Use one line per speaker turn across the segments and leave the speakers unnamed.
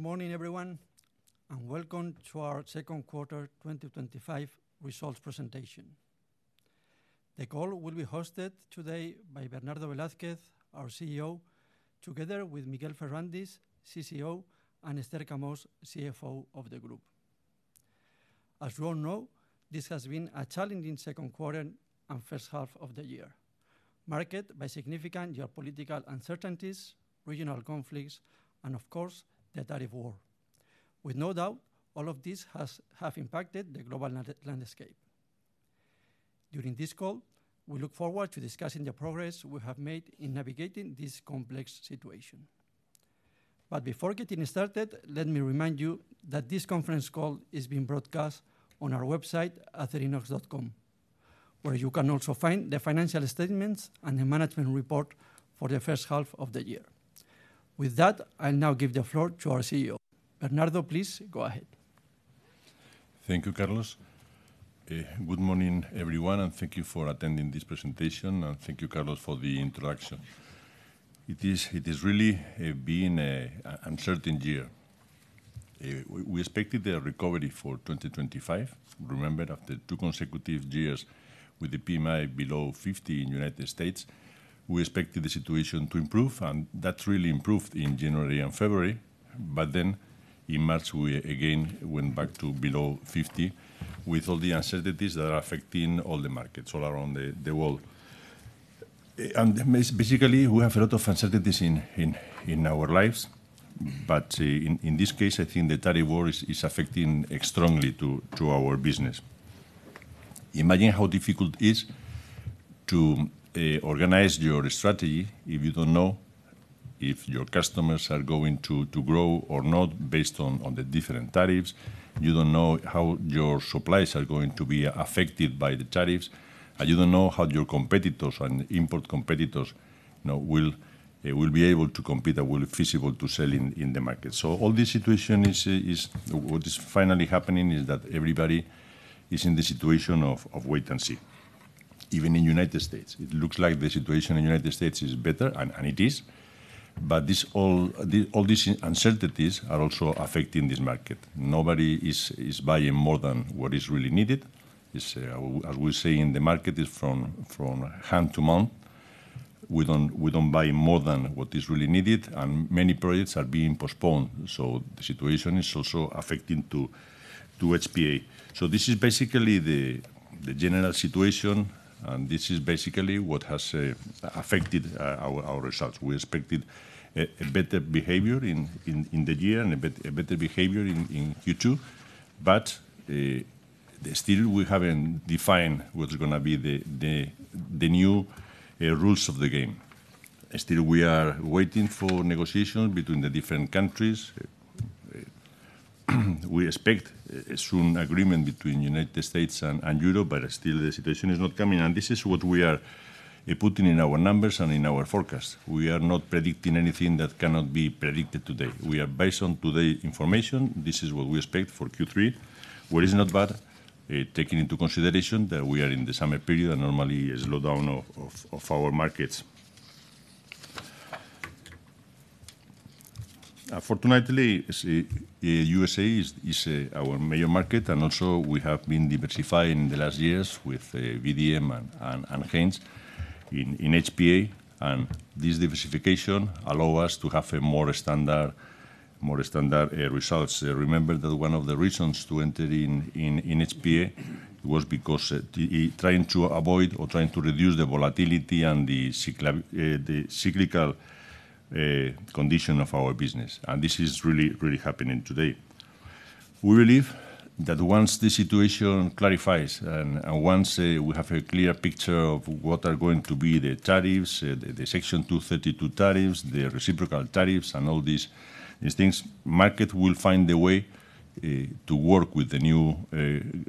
Good morning everyone and welcome to our Second Quarter 2025 Results Presentation. The call will be hosted today by Bernardo Velázquez Herreros, our CEO, together with Miguel Ferrandis Torres, CCO, and Esther Camós, CFO of the group. As you all know, this has been a challenging second quarter and first half of the year marked by significant geopolitical uncertainties, regional conflicts, and of course the Darfur. With no doubt, all of this has impacted the global landscape. During this call, we look forward to discussing the progress we have made in navigating this complex situation. Before getting started, let me remind you that this conference call is being broadcast on our website, acerinox.com, where you can also find the financial statements and the management report for the first half of the year. With that, I'll now give the floor to our CEO, Bernardo. Please go ahead.
Thank you, Carlos. Good morning everyone and thank you for attending this presentation. Thank you, Carlos, for the introduction. It has really been an uncertain year. We expected the recovery for 2025, remember after two consecutive years with the PMI below 50 in the United States, we expected the situation to improve and that really improved in January and February. In March we again went back to below 50 with all the uncertainties that are affecting all the markets all around the world. Basically, we have a lot of uncertainties in our lives. In this case, I think the tariff war is affecting strongly to our business. Imagine how difficult it is to organize your strategy if you don't know if your customers are going to grow or not based on the different tariffs. You don't know how your supplies are going to be affected by the tariffs. You don't know how your competitors and import competitors will be able to compete, that will be feasible to sell in the market. All this situation, what is finally happening is that everybody is in the situation of wait and see, even in the United States. It looks like the situation in the United States is better and it is. All these uncertainties are also affecting this market. Nobody is buying more than what is really needed, as we say in the market is from hand to mouth. We don't buy more than what is really needed and many projects are being postponed. The situation is also affecting to HPA. This is basically the general situation and this is basically what has affected our results. We expected a better behavior in the year and a better behavior in Q2, but still we haven't defined what's going to be the new rules of the game. We are waiting for negotiations between the different countries. We expect a soon agreement between the United States and Europe. Still the situation is not coming. This is what we are putting in our numbers and in our forecast. We are not predicting anything that cannot be predicted today. We are based on today's information. This is what we expect for Q3. What is not bad, taking into consideration that we are in the summer period and normally a slowdown of our markets. Fortunately, the U.S.A is our major market and also we have been diversified in the last years with VDM and Haynes International in HPA. This diversification allows us to have more standard results. Remember that one of the reasons to enter in HPA, it was because trying to avoid or trying to reduce the volatility and the cyclical condition of our business. This is really, really happening today. We believe that once the situation clarifies and once we have a clear picture of what are going to be the tariffs, the Section 232 tariffs, the reciprocal tariffs and all these things, market will find a way to work with the new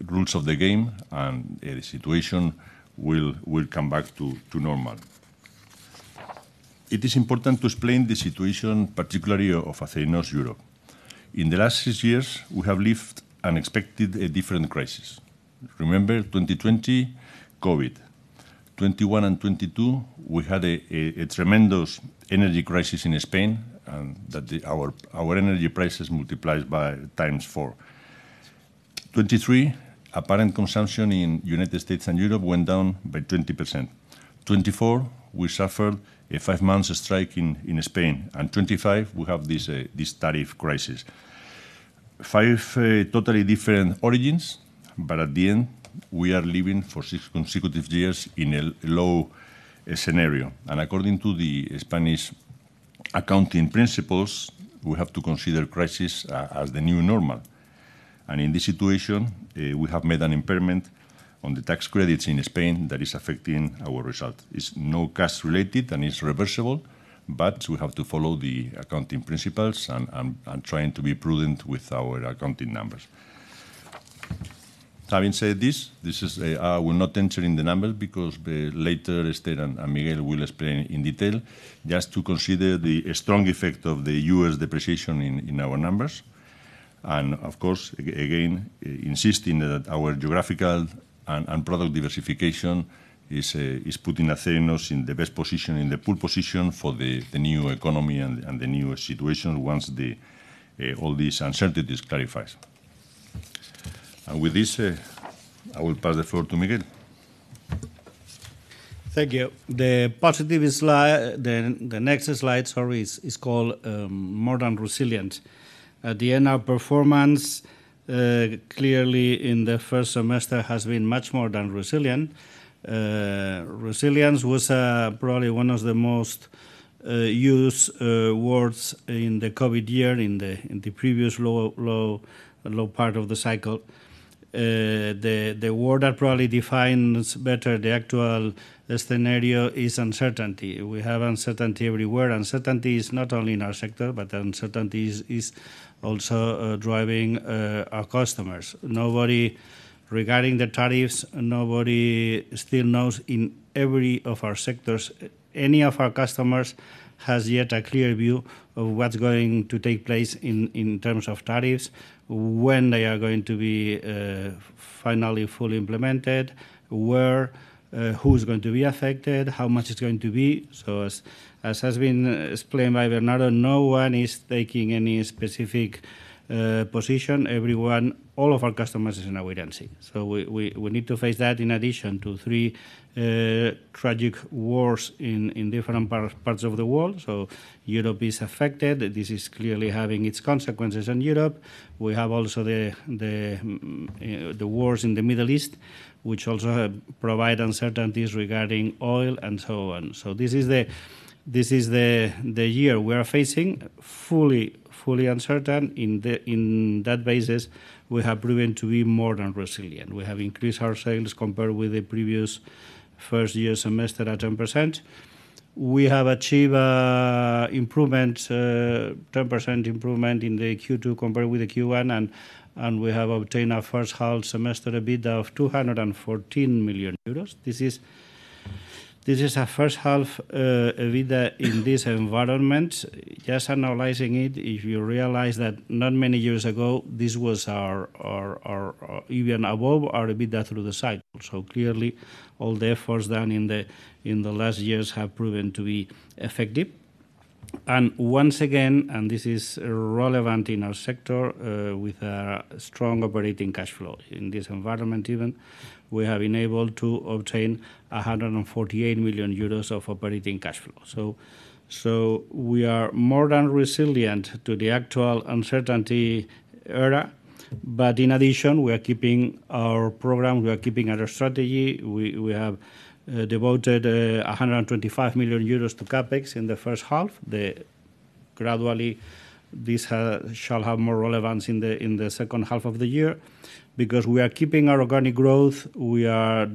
rules of the game and the situation will come back to normal. It is important to explain the situation particularly of Acerinox Europa. In the last six years we have lived unexpected, a different crisis. Remember 2020 Covid, 2021 and 2022 we had a tremendous energy crisis in Spain and that our energy prices multiplied by times four. 2023 apparent consumption in United States and Europe went down by 20%. 2024 we suffered a five-month strike in Spain and 2025 we have this tariff crisis, five totally different origins. At the end we are living for six consecutive years in a low. According to the Spanish accounting principles we have to consider crisis as the new normal. In this situation we have made an impairment on the tax credits in Spain that is affecting our result. It's no cash related and is reversible. We have to follow the accounting principles and trying to be prudent with our accounting numbers. Having said this, I will not enter in the numbers because later Esther and Miguel will explain in detail, just to consider the strong effect of the U.S. depreciation in our numbers. Of course, again insisting that our geographical and product diversification is putting Acerinox in the best position, in the poor position for the new economy and the new situation. Once all these uncertainties clarifies, with this I will pass the floor to Miguel.
Thank you. The positive slide, the next slide, is called More than resilient. The NR performance clearly in the first semester has been much more than resilient. Resilience was probably one of the most used words in the COVID year in the previous low, low part of the cycle. The word that probably defines better the actual scenario is uncertainty. We have uncertainty everywhere. Uncertainty is not only in our sector, but uncertainty is also driving our customers. Nobody regarding the tariffs, nobody still knows in every of our sectors, any of our customers has yet a clear view of what's going to take place in terms of tariffs, when they are going to be finally fully implemented, where, who's going to be affected, how much is going to be. As has been explained by Bernardo, no one is taking any specific position. Everyone, all of our customers, is in a wait and see. We need to face that in addition to three tragic wars in different parts of the world. Europe is affected. This is clearly having its consequences in Europe. We have also the wars in the Middle East, which also provide uncertainties regarding oil and so on. This is the year we are facing fully, fully uncertain. On that basis, we have proven to be more than resilient. We have increased our sales compared with the previous first year semester at 10%. We have achieved improvement, 10% improvement in Q2 compared with Q1. We have obtained a first half semester EBITDA of 214 million euros. This is a first half EBITDA in this environment. Just analyzing it, if you realize that not many years ago this was our EV and above our EBITDA through the cycle. Clearly, all the efforts done in the last years have proven to be effective. Once again, and this is relevant in our sector, with a strong operating cash flow in this environment, even we have been able to obtain 148 million euros of operating cash flow. We are more than resilient to the actual uncertainty era. In addition, we are keeping our program, we are keeping our strategy. We have devoted 125 million euros to CapEx in the first half. Gradually, this shall have more relevance in the second half of the year because we are keeping our organic growth. We are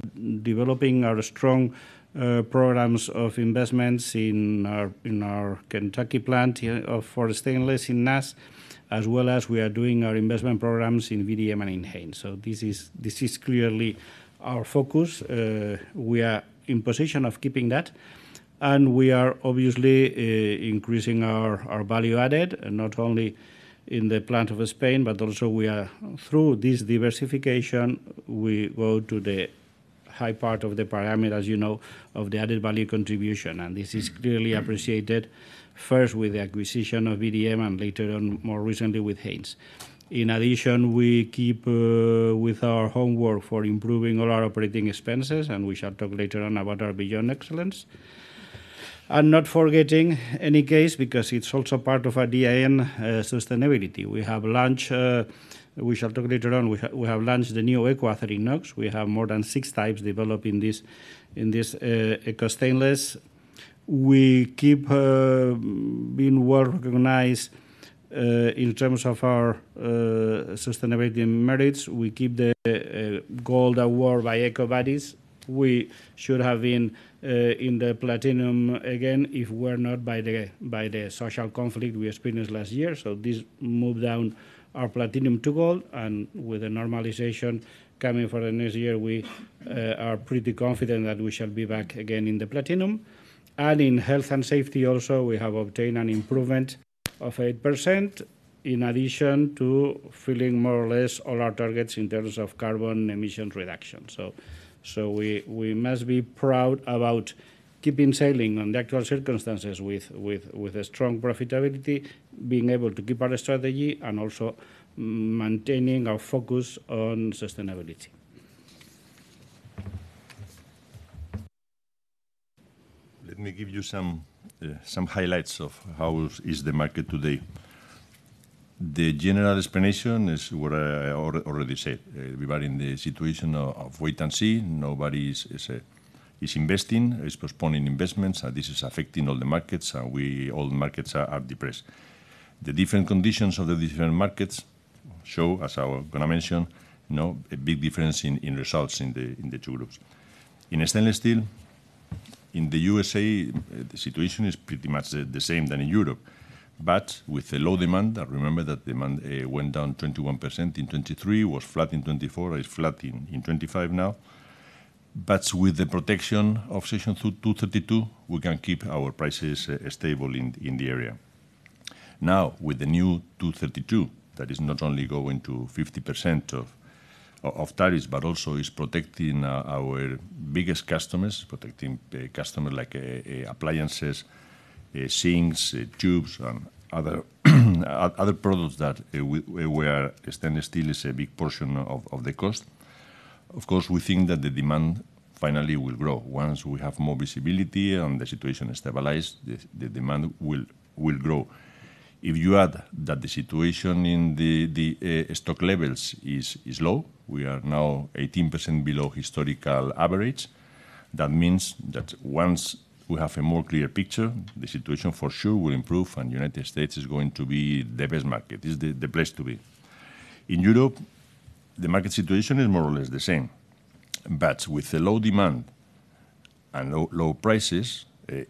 developing our strong programs of investments in our Kentucky plant for stainless in NAS, as well as we are doing our investment programs in VDM and in Haynes. This is clearly our focus. We are in position of keeping that, and we are obviously increasing our value added not only in the plant of Spain, but also we are, through this diversification, we go to the high part of the parameter, as you know, of the added value contribution, and this is clearly appreciated. First with the acquisition of VDM and later on, more recently with Haynes. In addition, we keep with our homework for improving all our operating expenses. We shall talk later on about our Beyond Excellence, and not forgetting in any case because it's also part of a DIN sustainability we have launched. We shall talk later on. We have launched the new Equa 3NOx. We have more than six types developing this. In this Eco Stainless we keep being well recognized in terms of our sustainability merits. We keep the gold award by EcoVadis. We should have been in the platinum again, if it were not by the social conflict we experienced last year. This moved down our Platinum to Gold, and with a normalization coming for the next year, we are pretty confident that we shall be back again in the platinum. In health and safety, also we have obtained an improvement of 8% in addition to filling more or less all our targets in terms of Carbon Emissions Reduction. We must be proud about keeping sailing on the actual circumstances with a strong profitability, being able to keep our strategy and also maintaining our focus on sustainability.
Let me give you some highlights of how is the market today. The general explanation is what I already said. We are in the situation of wait and see. Nobody is investing, is postponing investments. This is affecting all the markets. All markets are depressed. The different conditions of the different markets show, as I'm going to mention, a big difference in results in the two groups. In stainless steel in the U.S.A. the situation is pretty much the same as in Europe, but with the low demand. Remember that demand went down 21% in 2023, was flat in 2024, is flat in 2025 now. With the protection of Section 232, we can keep our prices stable in the area. Now with the new 232, that is not only going to 50% of tariffs, but also is protecting our biggest customers. Protecting customers like appliances, sinks, tubes, and other products where stainless steel is a big portion of the cost. Of course, we think that the demand finally will grow. Once we have more visibility and the situation is stabilized, the demand will grow. If you add that the situation in the stock levels is low, we are now 18% below historical average. That means that once we have a more clear picture, the situation for sure will improve. The United States is going to be the best market, is the place to be. In Europe the market situation is more or less the same, but with the low demand and low prices,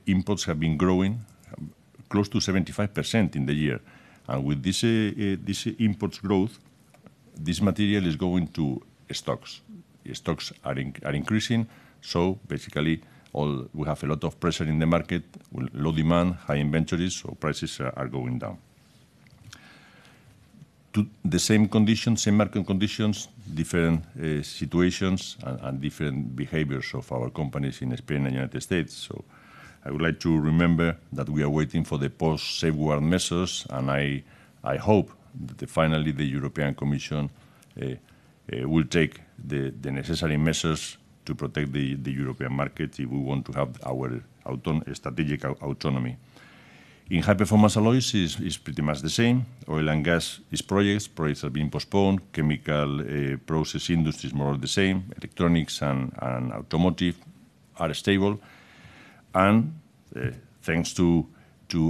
imports have been growing close to 75% in the year. With this imports growth, this material is going to stocks, stocks are increasing. We have a lot of pressure in the market. Low demand, high inventories. Prices are going down. The same conditions, same market conditions, different situations and different behaviors of our companies in Spain and United States. I would like to remember that we are waiting for the post safeguard measures. I hope that finally the European Commission will take the necessary measures to protect the European market. If we want to have our strategic autonomy in High-Performance Alloys, is pretty much the same. Oil and Gas is projects, projects are being postponed. Chemical process industries more of the same. Electronics and automotive are stable. Thanks to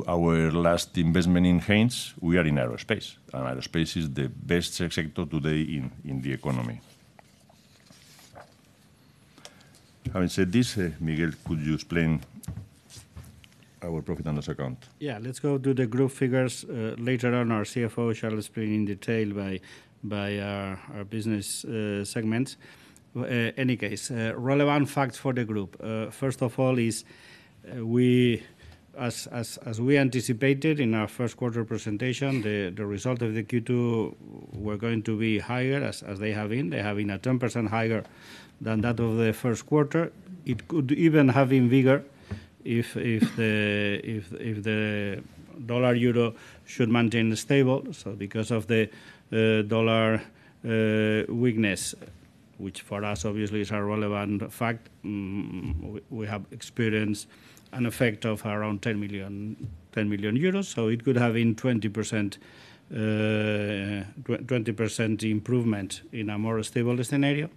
our last investment in Haynes, we are in aerospace. Aerospace is the best sector today in the economy. Having said this, Miguel, could you explain our profit analyst account?
Let's go to the group figures later on. Our CFO shall explain in detail by our business segments any case relevant facts for the group. First of all, as we anticipated in our first quarter presentation, the result of Q2 were going to be higher as they have been. They have been at 10% higher than that of the first quarter. It could even have been bigger. If. The dollar-euro should maintain stable. Because of the dollar weakness, which for us obviously is a relevant fact, we have experienced an effect of around 10 million euros. It could have been 20% improvement in a more stable scenario.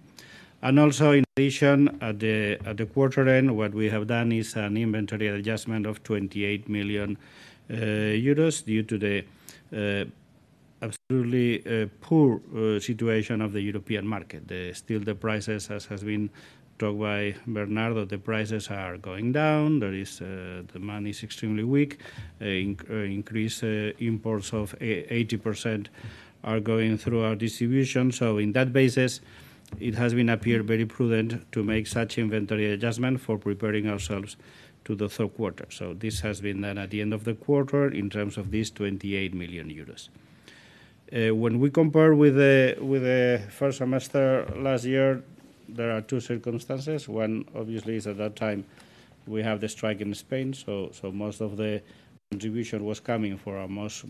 In addition, at the quarter end, what we have done is an inventory adjustment of 28 million euros due to the absolutely poor situation of the European market. Still the prices, as has been talked by Bernardo, the prices are going down. There is the demand is extremely weak. Increased imports of 80% are going through our distribution. On that basis it has appeared very prudent to make such inventory adjustment for preparing ourselves to the third quarter. This has been done at the end of the quarter. In terms of this 28 million euros, when we compare with the first semester last year, there are two circumstances. One obviously is at that time we have the strike in Spain. Most of the contribution was coming for our most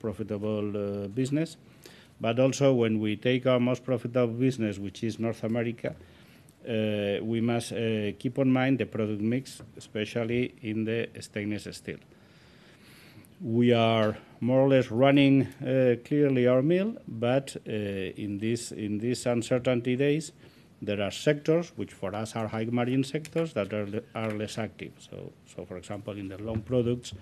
profitable business. Also, when we take our most profitable business, which is North America, we must keep in mind the product mix. Especially in the Stainless Steel, we are more or less running clearly our mill. In these uncertainty days there are sectors which for us are high margin sectors that are less active. For example, in the Long Products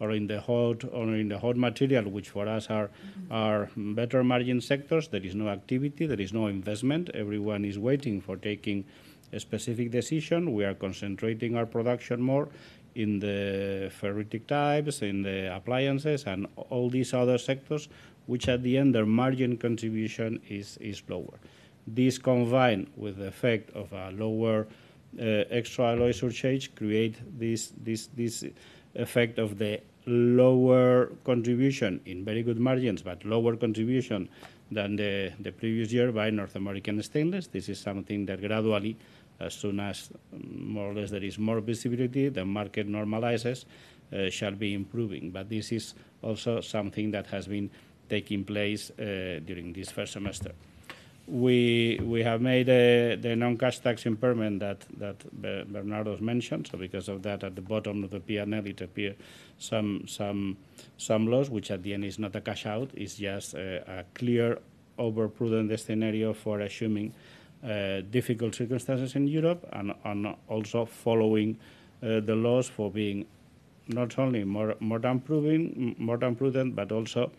or in the Hot Material, which for us are better margin sectors, there is no activity, there is no investment. Everyone is waiting for taking a specific decision. We are concentrating our production more in the ferritic types, in the appliances and all these other sectors which at the end their margin contribution is lower. This combined with the effect of a lower extra alloy surcharge create this effect of the lower contribution in very good margins, but lower contribution than the previous year by North American Stainless. This is something that gradually, as soon as more or less there is more visibility, the market normalizes shall be improving. This is also something that has been taking place during this first semester. We have made the non-cash tax impairment that Bernardo mentioned. Because of that, at the bottom of the P&L, it appears some loss, which at the end is not a cash out. It's just a clear over prudent scenario for assuming difficult circumstances in Europe. Also, following the laws for being not only more than prudent, but also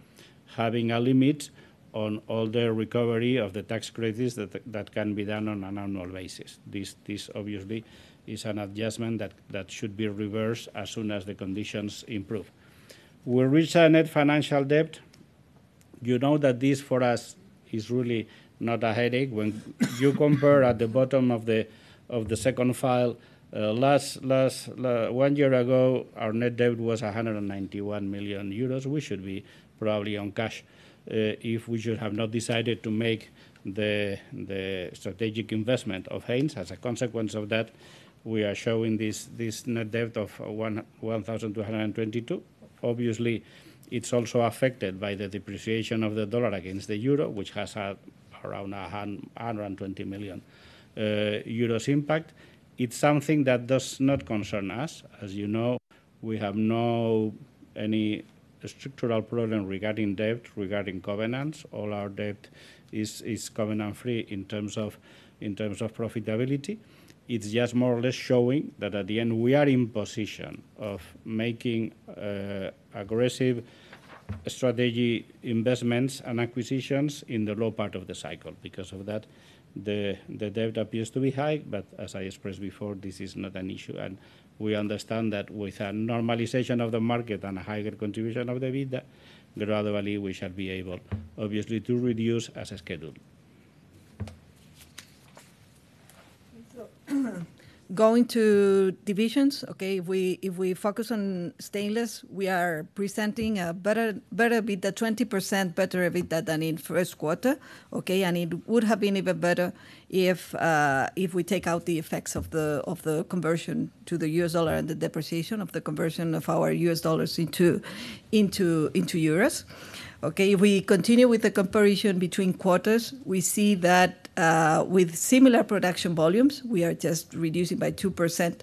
having a limit on all the recovery of the tax credits that can be done on an annual basis, this obviously is an adjustment that should be reversed. As soon as the conditions improve, we reach our net financial debt. You know that this for us is really not a headache when you compare at the bottom of the second file. Last one year ago our net debt was 191 million euros. We should be probably on cash if we should have not decided to make the strategic investment of Haynes. As a consequence of that, we are showing this net debt of 1,222 million. Obviously, it's also affected by the depreciation of the dollar against the Euro, which has had around 120 million euros impact. It's something that does not concern us. As you know, we have no any structural problem regarding debt, regarding covenants. All our debt is covenant-free. In terms of profitability, it's just more or less showing that at the end we are in position of making aggressive strategy investments and acquisitions in the low part of the cycle. Because of that, the debt appears to be high. As I expressed before, this is not an issue, and we understand that with a normalization of the market and a higher contribution of the EBITDA, gradually we shall be able obviously to reduce as scheduled.
Going to divisions. If we focus on Stainless Steel, we are presenting a better EBITDA, 20% better EBITDA than in first quarter. It would have been even better if we take out the effects of the conversion to the U.S. dollar and the depreciation of the conversion of our U.S. dollars into Euros. If we continue with the comparison between quarters, we see that with similar production volumes, we are just reducing by 2%.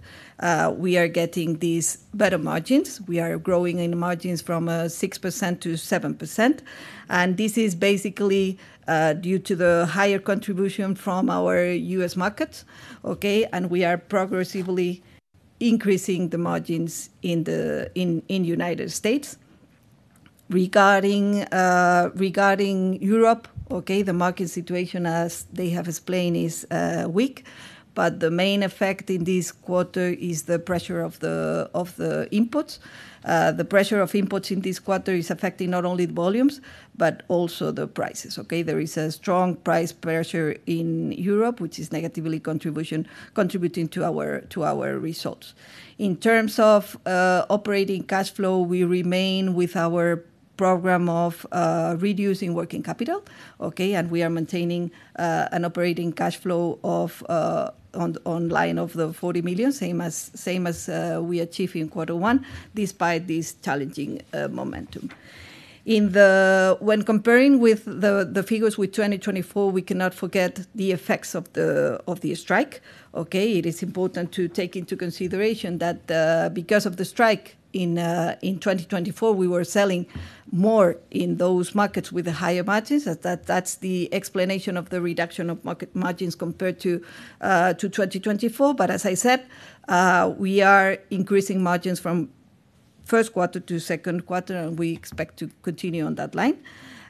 We are getting these better margins. We are growing in margins from 6% to 7%. This is basically due to the higher contribution from our U.S. markets. We are progressively increasing the margins in United States. Regarding Europe, the market situation, as they have explained, is weak. The main effect in this quarter is the pressure of the inputs. The pressure of inputs in this quarter is affecting not only the volumes but also the prices. There is a strong price pressure in Europe which is negatively contributing to our results. In terms of operating cash flow, we remain with our program of reducing working capital, and we are maintaining an operating cash flow of around 40 million, same as we achieved in Q1. Despite this challenging momentum, when comparing with the figures with 2024, we cannot forget the effects of the strike. It is important to take into consideration that because of the strike in 2024, we were selling more in those markets with the higher margins. That's the explanation of the reduction of market margins compared to 2024. As I said, we are increasing margins from first quarter to second quarter and we expect to continue on that line.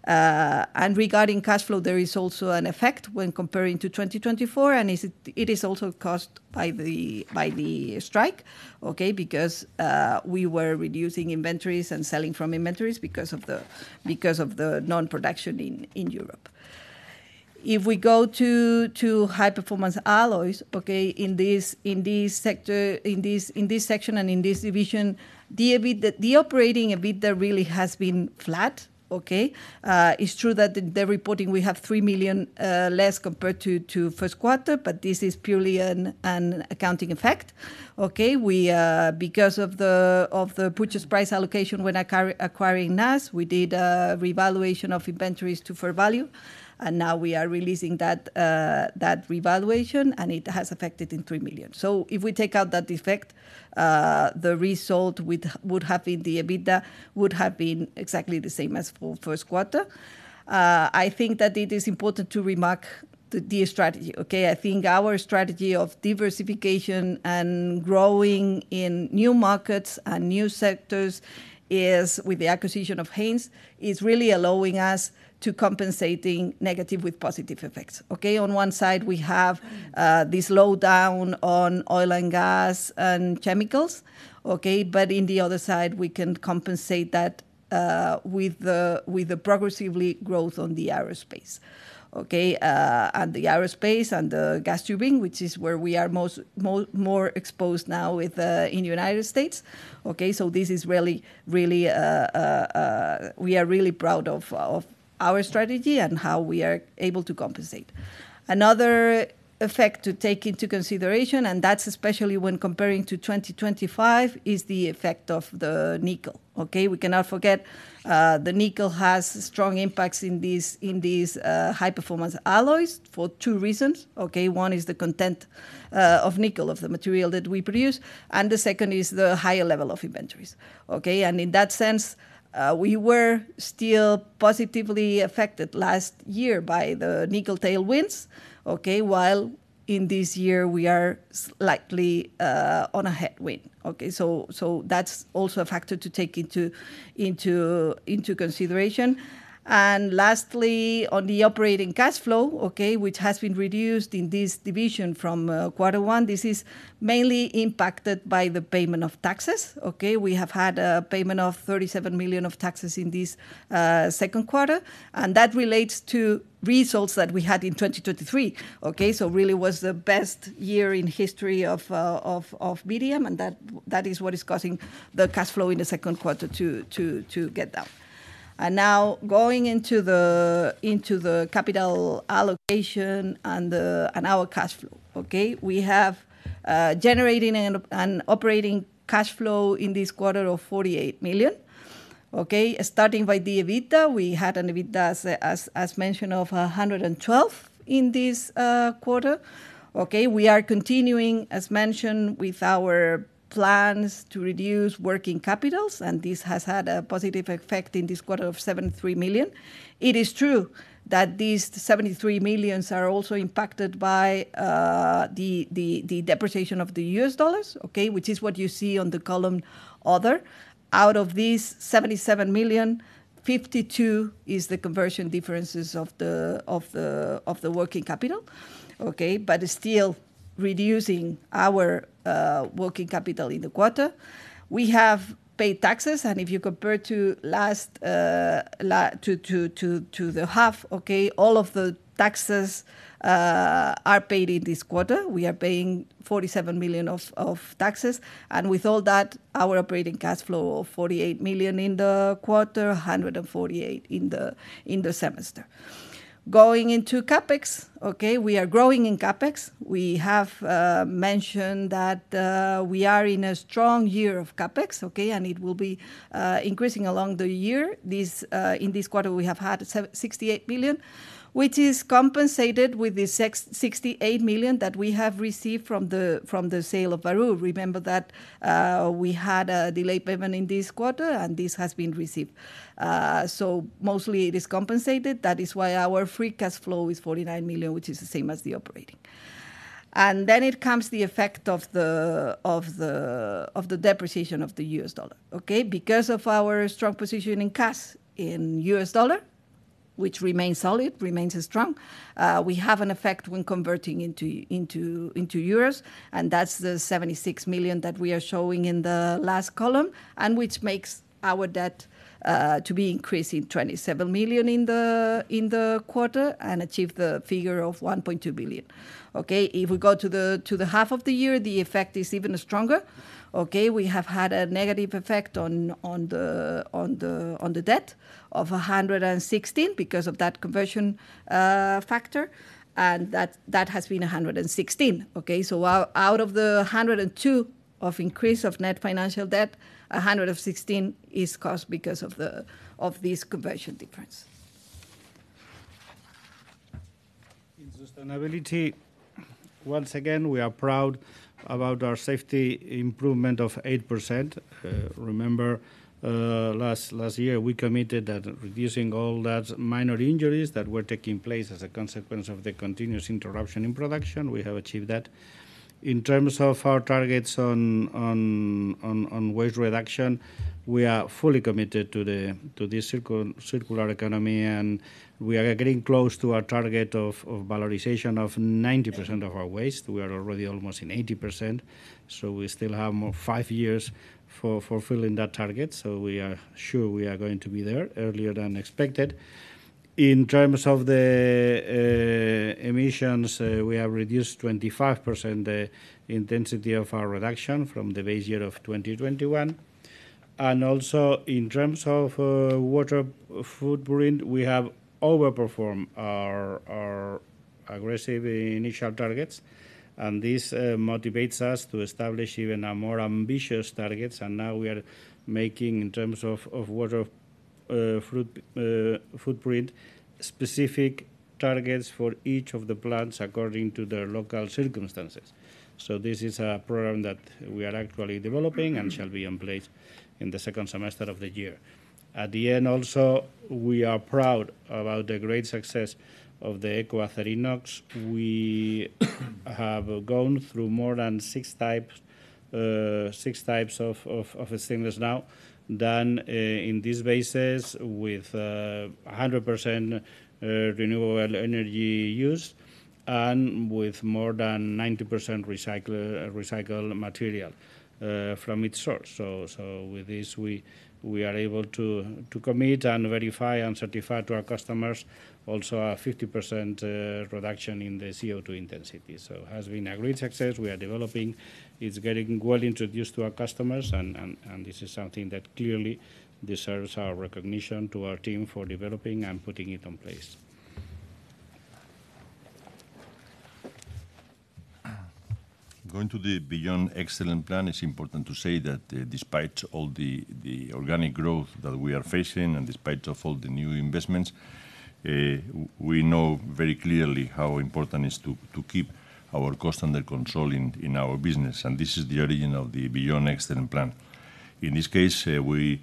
Regarding cash flow, there is also an effect when comparing to 2024 and it is also caused by the strike, because we were reducing inventories and selling from inventories because of the non-production in Europe. If we go to High-Performance Alloys in this section and in this division, the operating EBITDA really has been flat. It's true that they're reporting we have 3 million less compared to first quarter, but this is purely an accounting effect. Because of the purchase price allocation, when acquiring NAS, we did a revaluation of inventories to fair value and now we are releasing that revaluation and it has affected in 3 million. If we take out that effect, the result would have been the EBITDA would have been exactly the same as for first quarter. I think that it is important to remark the strategy, okay? I think our strategy of diversification and growing in new markets and new sectors and is with the acquisition of Haynes is really allowing us to compensating negative with positive effects. On one side we have this lowdown on oil and gas and chemicals. In the other side we can compensate that with the progressively growth on the aerospace and the aerospace and the gas tubing, which is where we are more exposed now in the United States. This is really, really. We are really proud of our strategy and how we are able to compensate. Another effect to take into consideration, and that's especially when comparing to 2025, is the effect of the nickel. Okay? We cannot forget the nickel has strong impacts in these High-Performance Alloys for two reasons. One is the content of nickel of the material that we produce and the second is the higher level of inventories. In that sense we were still positively affected last year by the nickel tailwinds, while in this year we are likely on a headwind. That's also a factor to take into consideration. Lastly, on the operating cash flow which has been reduced in this division from Q1. This is mainly impacted by the payment of taxes, okay? We have had a payment of 37 million of taxes in this second quarter. That relates to results that we had in 2023, okay? It really was the best year in history of VDM. That is what is causing the cash flow in the second quarter to get down. Now going into the capital allocation and our cash flow, okay, we have generated an operating cash flow in this quarter of 48 million, okay? Starting by the EBITDA. We had an EBITDA as mentioned of 112 million in this quarter, okay? We are continuing as mentioned with our plans to reduce working capitals. This has had a positive effect in this quarter of 73 million. It is true that these 73 million are also impacted by the depreciation of the U.S. dollars, which is what you see on the column other. Out of these 77 million, 52 million is the conversion differences of the working capital, but still reducing our working capital in the quarter. We have paid taxes and if you compare to last to the half, okay, all of the taxes are paid in this quarter. We are paying 47 million of taxes. With all that, our operating cash flow of 48 million in the quarter, 148 million in the semester going into CapEx, okay? We are growing in CapEx. We have mentioned that we are in a strong year of CapEx and it will be increasing along the year. In this quarter we have had 68 million, which is compensated with the 68 million that we have received from the sale of Bahru. Remember that we had a delayed payment in this quarter and this has been received. Mostly it is compensated. That is why our free cash flow is 49 million, which is the same as the operating. Then it comes the effect of. The. The depreciation of the U.S. dollar, okay? Because of our strong position in cash in U.S. dollar, which remains solid, remains strong, we have an effect when converting into Euros. That's the 76 million that we are showing in the last column, which makes our debt increase EUR 27 million in the quarter and achieve the figure of 1.2 billion. If we go to the half of the year, the effect is even stronger. We have had a negative effect on the debt of 116 million because of that conversion factor. That has been 116 million out of the 102 million of increase of net financial debt. 116 million is caused because of this conversion difference.
In sustainability, once again we are proud about our safety improvement of 8%. Remember last year we committed that reducing all those minor injuries that were taking place as a consequence of the continuous interruption in production. We have achieved that. In terms of our targets on waste reduction, we are fully committed to this circular economy and we are getting close to our target of valorization of 90% of our waste. We are already almost in 80%. We still have more five years for fulfilling that target. We are sure we are going to be there earlier than expected. In terms of the emissions, we have reduced 25% intensity of our reduction from the base year of 2021. Also, in terms of water footprint, we have overperformed our aggressive initial targets. This motivates us to establish even a more ambitious target. Now we are making, in terms of water footprint, specific targets for each of the plants according to their local circumstances. This is a program that we are actually developing and shall be in place in the second semester of the year at the end. Also, we are proud about the great success of the Eco Stainless. We have gone through more than six types of stimulus now done in this basis with 100% renewable energy use and with more than 90% recycled material from its source. With this we are able to commit and verify and certify to our customers also a 50% reduction in the CO2 intensity. It has been a great success. We are developing, it's getting well introduced to our customers, and this is something that clearly deserves our recognition to our team for developing and putting it in place.
Going to the Beyond Excellence plan. It's important to say that despite all the organic growth that we are facing and despite all the new investments, we know very clearly how important it is to keep our cost under control in our business. This is the origin of the Beyond Excellence plan. In this case, we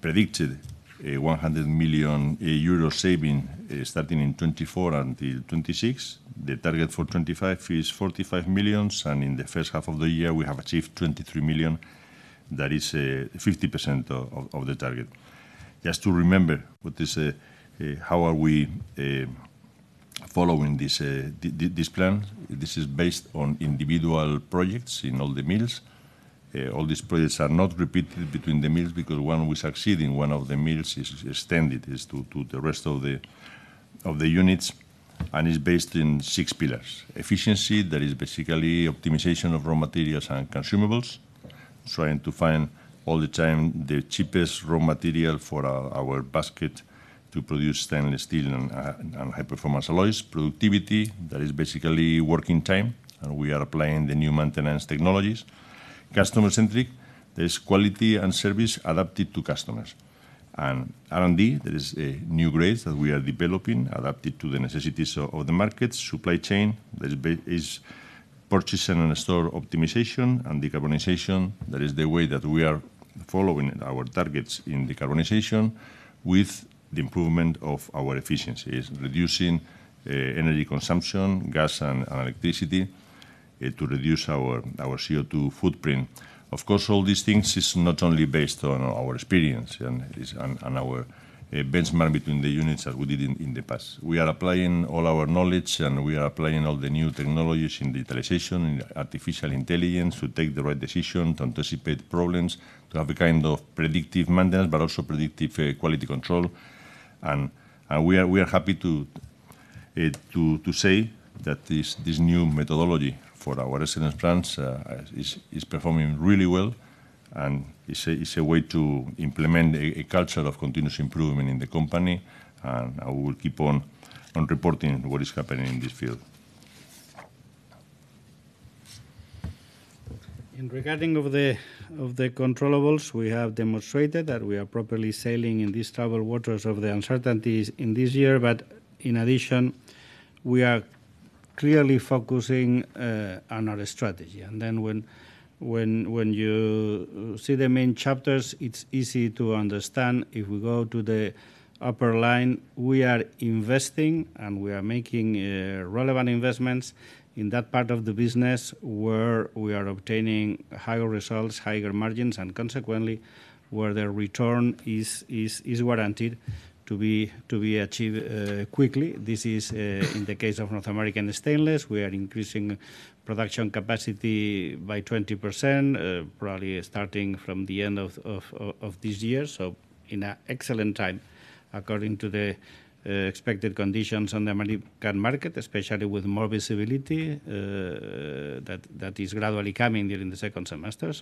predicted a 100 million euro saving starting in 2024 and 2026. The target for 2025 is 45 million, and in the first half of the year we have achieved 23 million. That is 50% of the target. Just to remember, how are we following this plan? This is based on individual projects in all the mills. All these projects are not repeated between the mills because once we succeed in one of the mills, it is extended to the rest of the units and is based on six pillars. Efficiency, that is basically optimization of raw materials and consumables, trying to find all the time the cheapest raw material for our basket to produce stainless steel and High-Performance Alloys. Productivity, that is basically working time, and we are applying the new maintenance technologies. Customer Centric, there is quality and service adapted to customers, and R&D, there is a new grade that we are developing adapted to the necessities of the market. Supply chain is purchasing and store optimization, and decarbonization, that is the way that we are following our targets in decarbonization with the improvement of our efficiencies, reducing energy consumption, gas and electricity to reduce our CO2 footprint. Of course, all these things are not only based on our experience and our benchmark between the units, as we did in the past. We are applying all our knowledge and we are applying all the new technologies in digitalization, artificial intelligence to take the right decision, to anticipate problems, to have a kind of predictive maintenance, but also predictive quality control. We are happy to say that this new methodology for our residence plants is performing really well, and it's a way to implement a culture of continuous improvement in the company. We will keep on reporting what is happening in this field.
In regarding of the controllables, we have demonstrated that we are properly sailing in these troubled waters of the uncertainties in this year. In addition, we are clearly focusing on our strategy. When you see the main chapters, it's easy to understand if we go to the upper line, we are investing and we are making relevant investments in that part of the business where we are obtaining higher results, higher margins, and consequently where the return is warranted to be achieved quickly. This is in the case of North American Stainless. We are increasing production capacity by 20%, probably starting from the end of this year. In an excellent time, according to the expected conditions on the money market, especially with more visibility that is gradually coming during the second semester.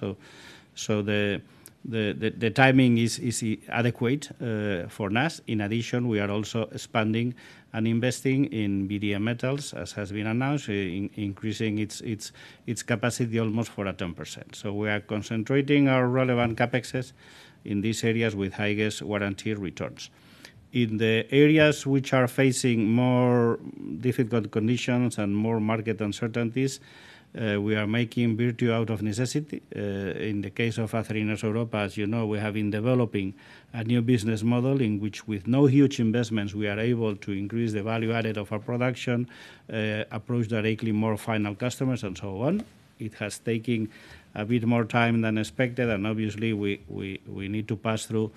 The timing is adequate for NAS. In addition, we are also expanding and investing in VDM Metals as has been announced, increasing its capacity almost for a 10%. We are concentrating our relevant CapEx in these areas with highest warranty returns. In the areas which are facing more difficult conditions and more market uncertainties, we are making virtue out of necessity. In the case of Acerinox Europa, as you know, we have been developing a new business model in which with no huge investments, we are able to increase the value added of our production approach directly more final customers and so on. It has taken a bit more time than expected and obviously we need to pass through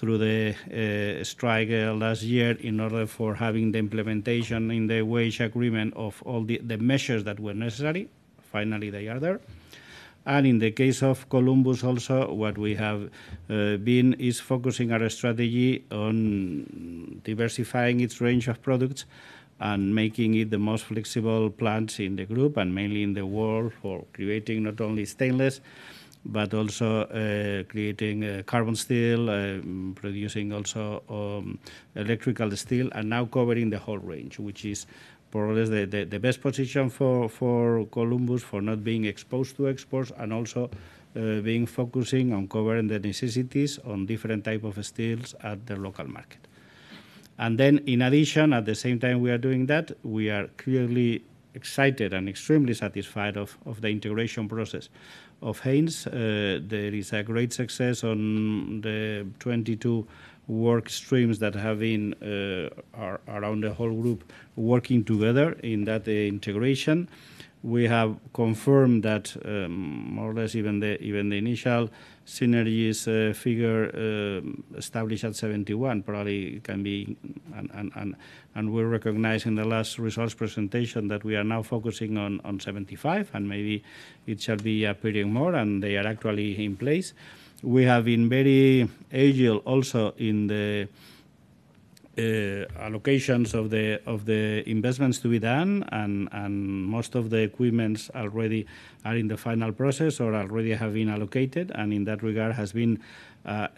the strike last year in order for having the implementation in the wage agreement of all the measures that were necessary. Finally they are there. In the case of Columbus also what we have been is focusing our strategy on diversifying its range of products and making it the most flexible plant in the group and mainly in the world for creating not only stainless, but also creating carbon steel, producing also electrical steel and now covering the whole range, which is more or less the best position for Columbus for not being exposed to exports and also being focusing on covering the necessities on different type of steels at the local market. In addition, at the same time we are doing that we are clearly excited and extremely satisfied of the integration process of Haynes International. There is a great success on the 22 work streams that have been around the whole group working together in that integration. We have confirmed that more or less even the initial synergies figure established at 71 probably can be. We recognize in the last results presentation that we are now focusing on 75 and maybe it shall be appearing more and they are actually in place. We have been very agile also in the allocations of the investments to be done, and most of the equipment already are in the final process or already have been allocated. In that regard, it has been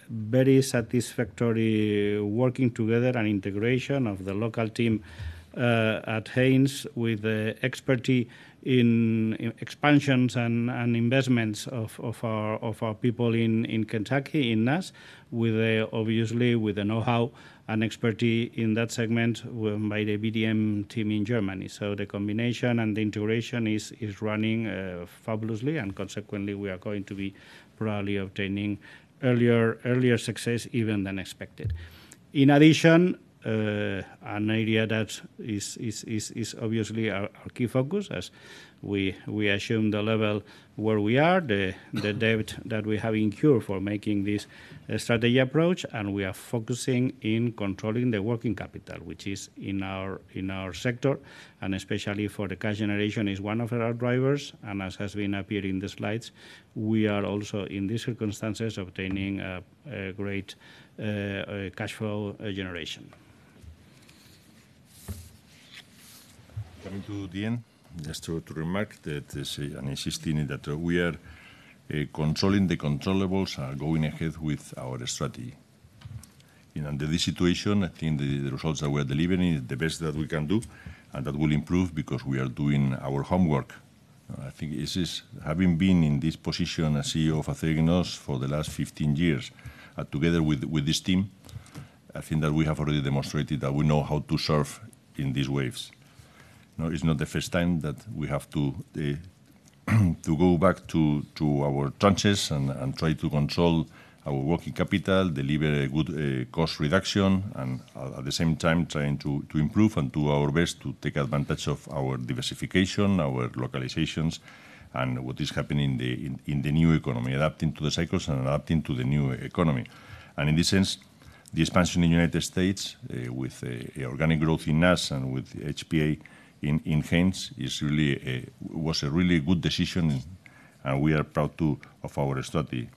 very satisfactory working together and integration of the local team at Haynes with expertise in expansions and investments of our people in Kentucky, in NAS, obviously with the know-how and expertise in that segment by the VDM team in Germany. The combination and the integration is running fabulously and consequently we are going to be probably obtaining earlier success even than expected. In addition, an area that is obviously our key focus as we assume the level where we are, the debt that we have incurred for making this strategy approach, and we are focusing in controlling the Working Capital, which is in our sector and especially for the Cash Generation is one of our drivers. As has been appearing in the slides, we are also in these circumstances obtaining great cash flow generation.
Coming to the end. Just to remark that we are controlling the controllables, going ahead with our strategy in this situation. I think the results that we're delivering is the best that we can do and that will improve because we are doing our homework. I think having been in this position as CEO of Acerinox for the last 15 years together with this team, I think that we have already demonstrated that we know how to serve in these waves. It's not the first time that we have to go back to our trenches and try to control our Working Capital, deliver a good cost reduction, and at the same time trying to improve and do our best to take advantage of our diversification, our localizations, and what is happening in the new economy. Adapting to the cycles and adapting to the new economy. In this sense, the expansion in the United States with organic growth in NAS and with HPA in Haynes was a really good decision and we are proud of our study.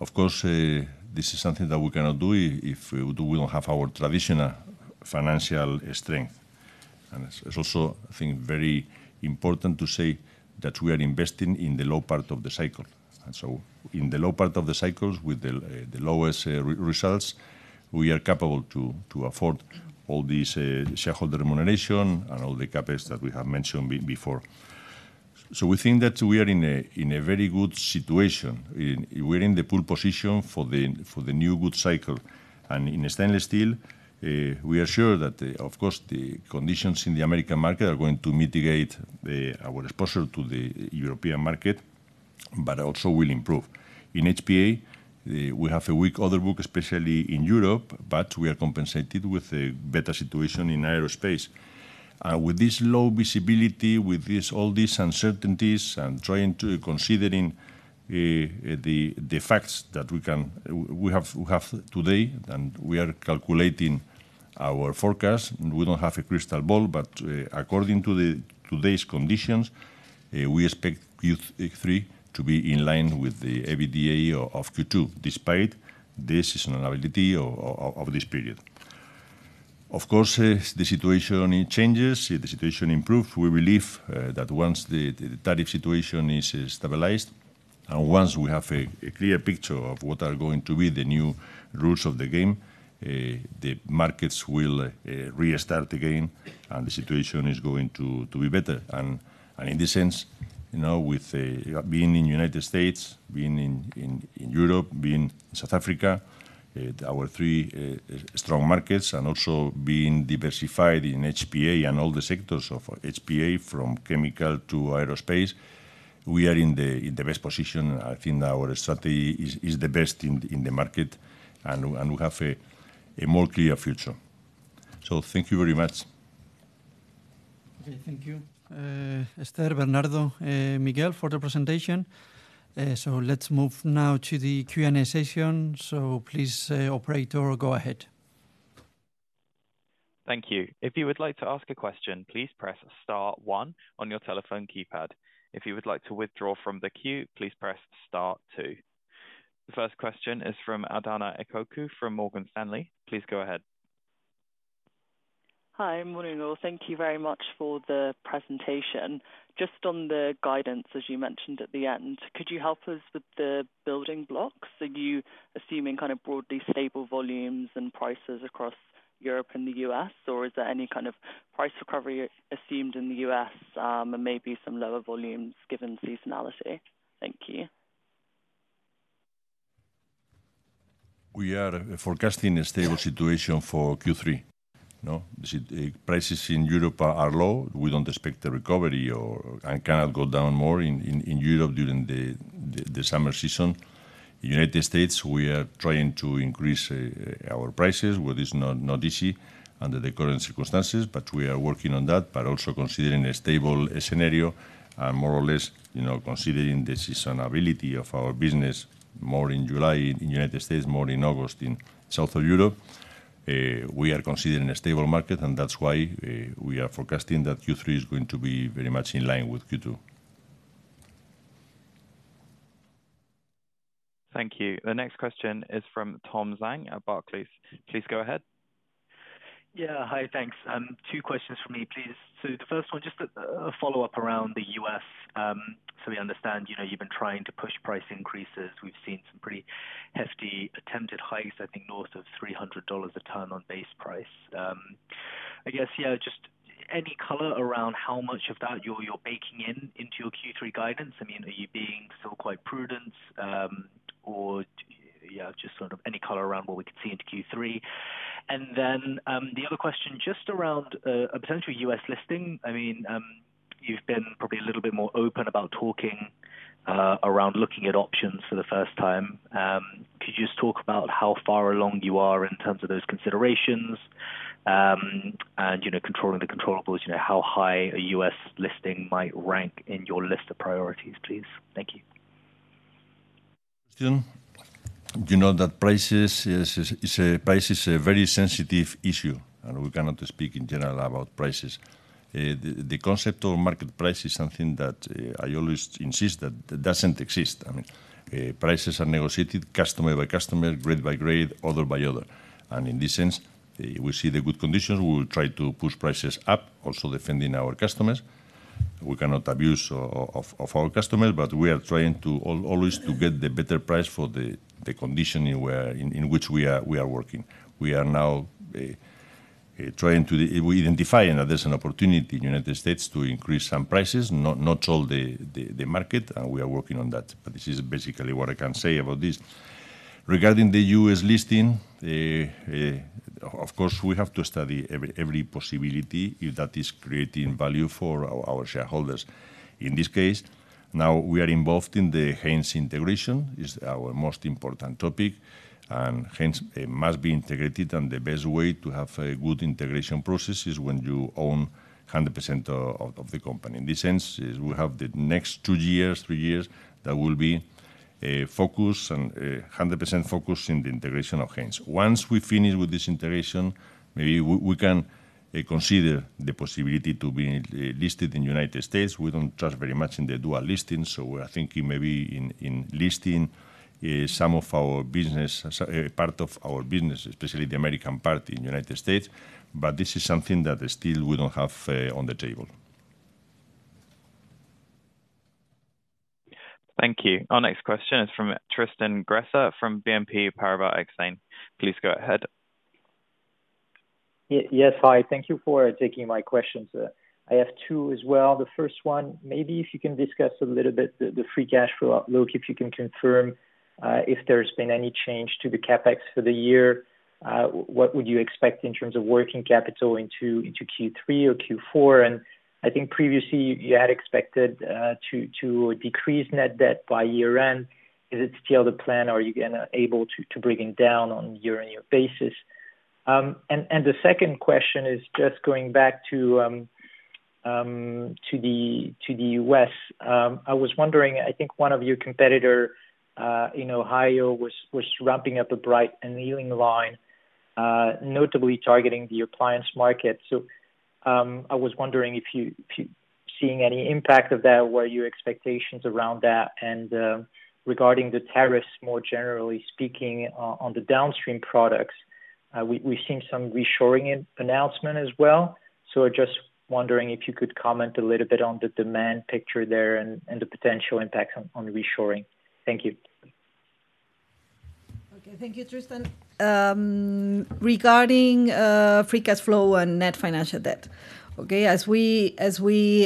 Of course, this is something that we cannot do if we don't have our traditional financial strength. It's also, I think, very important to say that we are investing in the low part of the cycle. In the low part of the cycle with the lowest results, we are capable to afford all these Shareholder Remuneration and all the Capital Expenditure that we have mentioned before. We think that we are in a very good situation. We're in the pole position for the new good cycle and in Stainless Steel we are sure that of course the conditions in the American market are going to mitigate our exposure to the European market, but also will improve. In HPA we have a weak order book, especially in Europe, but we are compensated with a better situation. In aerospace, with this low visibility, with all these uncertainties and trying to, considering the facts that we have today and we are calculating our forecast, we don't have a crystal ball, but according to today's conditions, we expect Q3 to be in line with the EBITDA of Q2, despite this is a liability of this period. Of course the situation changes, the situation improves. We believe that once the Tariff Situation is stabilized and once we have a clear picture of what are going to be the new rules of the game, the markets will restart again and the situation is going to be better. In this sense, with being in United States, being in Europe, being in South Africa, our three strong markets, and also being diversified in HPA and all the sectors of HPA from Chemical to Aerospace, we are in the best position. I think our strategy is the best in the market and we have a more clear future. Thank you very much. Thank you, Esther, Bernardo, Miguel, for the presentation. Let's move now to the Q&A session. Please, operator, go ahead.
Thank you. If you would like to ask a question, please press 1 on your telephone keypad. If you would like to withdraw from the queue, please press star 2. The first question is from Adahna Ekoku from Morgan Stanley. Please go ahead.
Hi, morning all. Thank you very much for the presentation. Just on the guidance, as you mentioned at the end, could you help us with the building blocks? Are you assuming kind of broadly stable volumes and prices across Europe and the U.S. or is there any kind of price recovery assumed in the U.S. and maybe some lower volumes given seasonality? Thank you.
We are forecasting a stable situation for Q3. Prices in Europe are low. We don't expect a recovery and cannot go down more in Europe during the summer season. In the United States, we are trying to increase our prices, which is not easy under the current circumstances, but we are working on that. Also, considering a stable scenario, more or less considering the seasonality of our business, more in July in the United States, more in August in South of Europe, we are considering a stable market. That's why we are forecasting that Q3 is going to be very much in line with Q2.
Thank you. The next question is from Tom Zhang at Barclays. Please go ahead.
Hi. Thanks. Two questions for me, please. The first one, just a follow-up around the U.S. We understand you've been trying to push price increases. We've seen some pretty hefty attempted hikes, I think north of EUR 300 a tonne on base price, I guess. Any color around how much of that you're baking in into your Q3 guidance? I mean, are you being still quite prudent or just any color around what we could see into Q3? The other question, just around a potential U.S. listing. I mean, you've been probably a little bit more open about talking around, looking at options for the first time. Could you just talk about how far along you are in terms of those considerations and controlling the controllables? How high a U.S. listing might rank in your list of priorities, please. Thank you.
Tom, you know that price is a very sensitive issue and we cannot speak in general about prices. The concept of market price is something that I always insist that doesn't exist. I mean, prices are negotiated customer by customer, grade by grade, order by order. In this sense, we see the good conditions. We will try to push prices up, also defending our customers. We cannot abuse our customers. We are trying to always get the better price for the condition in which we are working. We are now trying to identify that there's an opportunity in the United States to increase some prices, not all the market. We are working on that. This is basically what I can say about this. Regarding the U.S. listing, of course, we have to study every possibility if that is creating value for our shareholders. In this case, now we are involved in the Haynes Integration. It is our most important topic and Haynes must be integrated. The best way to have a good integration process is when you own 100% of the company. In this sense, we have the next two years, three years that will be a focus and 100% focus on the integration of Haynes. Once we finish with this integration, maybe we can consider the possibility to be listed in the United States. We don't trust very much in the Dual Listings, so we are thinking maybe in listing some of our business, part of our business, especially the American part, in the United States. This is something that still we don't have on the table.
Thank you. Our next question is from Tristan Gresser from BNP Paribas Exane. Please go ahead.
Yes, hi. Thank you for taking my questions. I have two as well. The first one, maybe if you can discuss a little bit the Free Cash Flow outlook, if you can confirm if there's been any change to the CapEx for the year. What would you expect in terms of Working Capital into Q3 or Q4? I think previously you had expected to decrease Net Debt by year end. Is it still the plan? Are you going to be able to bring it down on a year-on-year basis? The second question is just going back to the U.S. I was wondering, I think one of your competitors in Ohio was ramping up a Bright Annealing Line, notably targeting the Appliance Market. I was wondering if you're seeing any impact of that, what your expectations are around that. Regarding the tariffs, more generally speaking on the Downstream Products, we've seen some reshoring announcements as well. I just wonder if you could comment a little bit on the demand picture there and the potential impacts on Reshoring. Thank you.
Okay, thank you Tristan. Regarding Free Cash Flow and Net Financial Debt, as we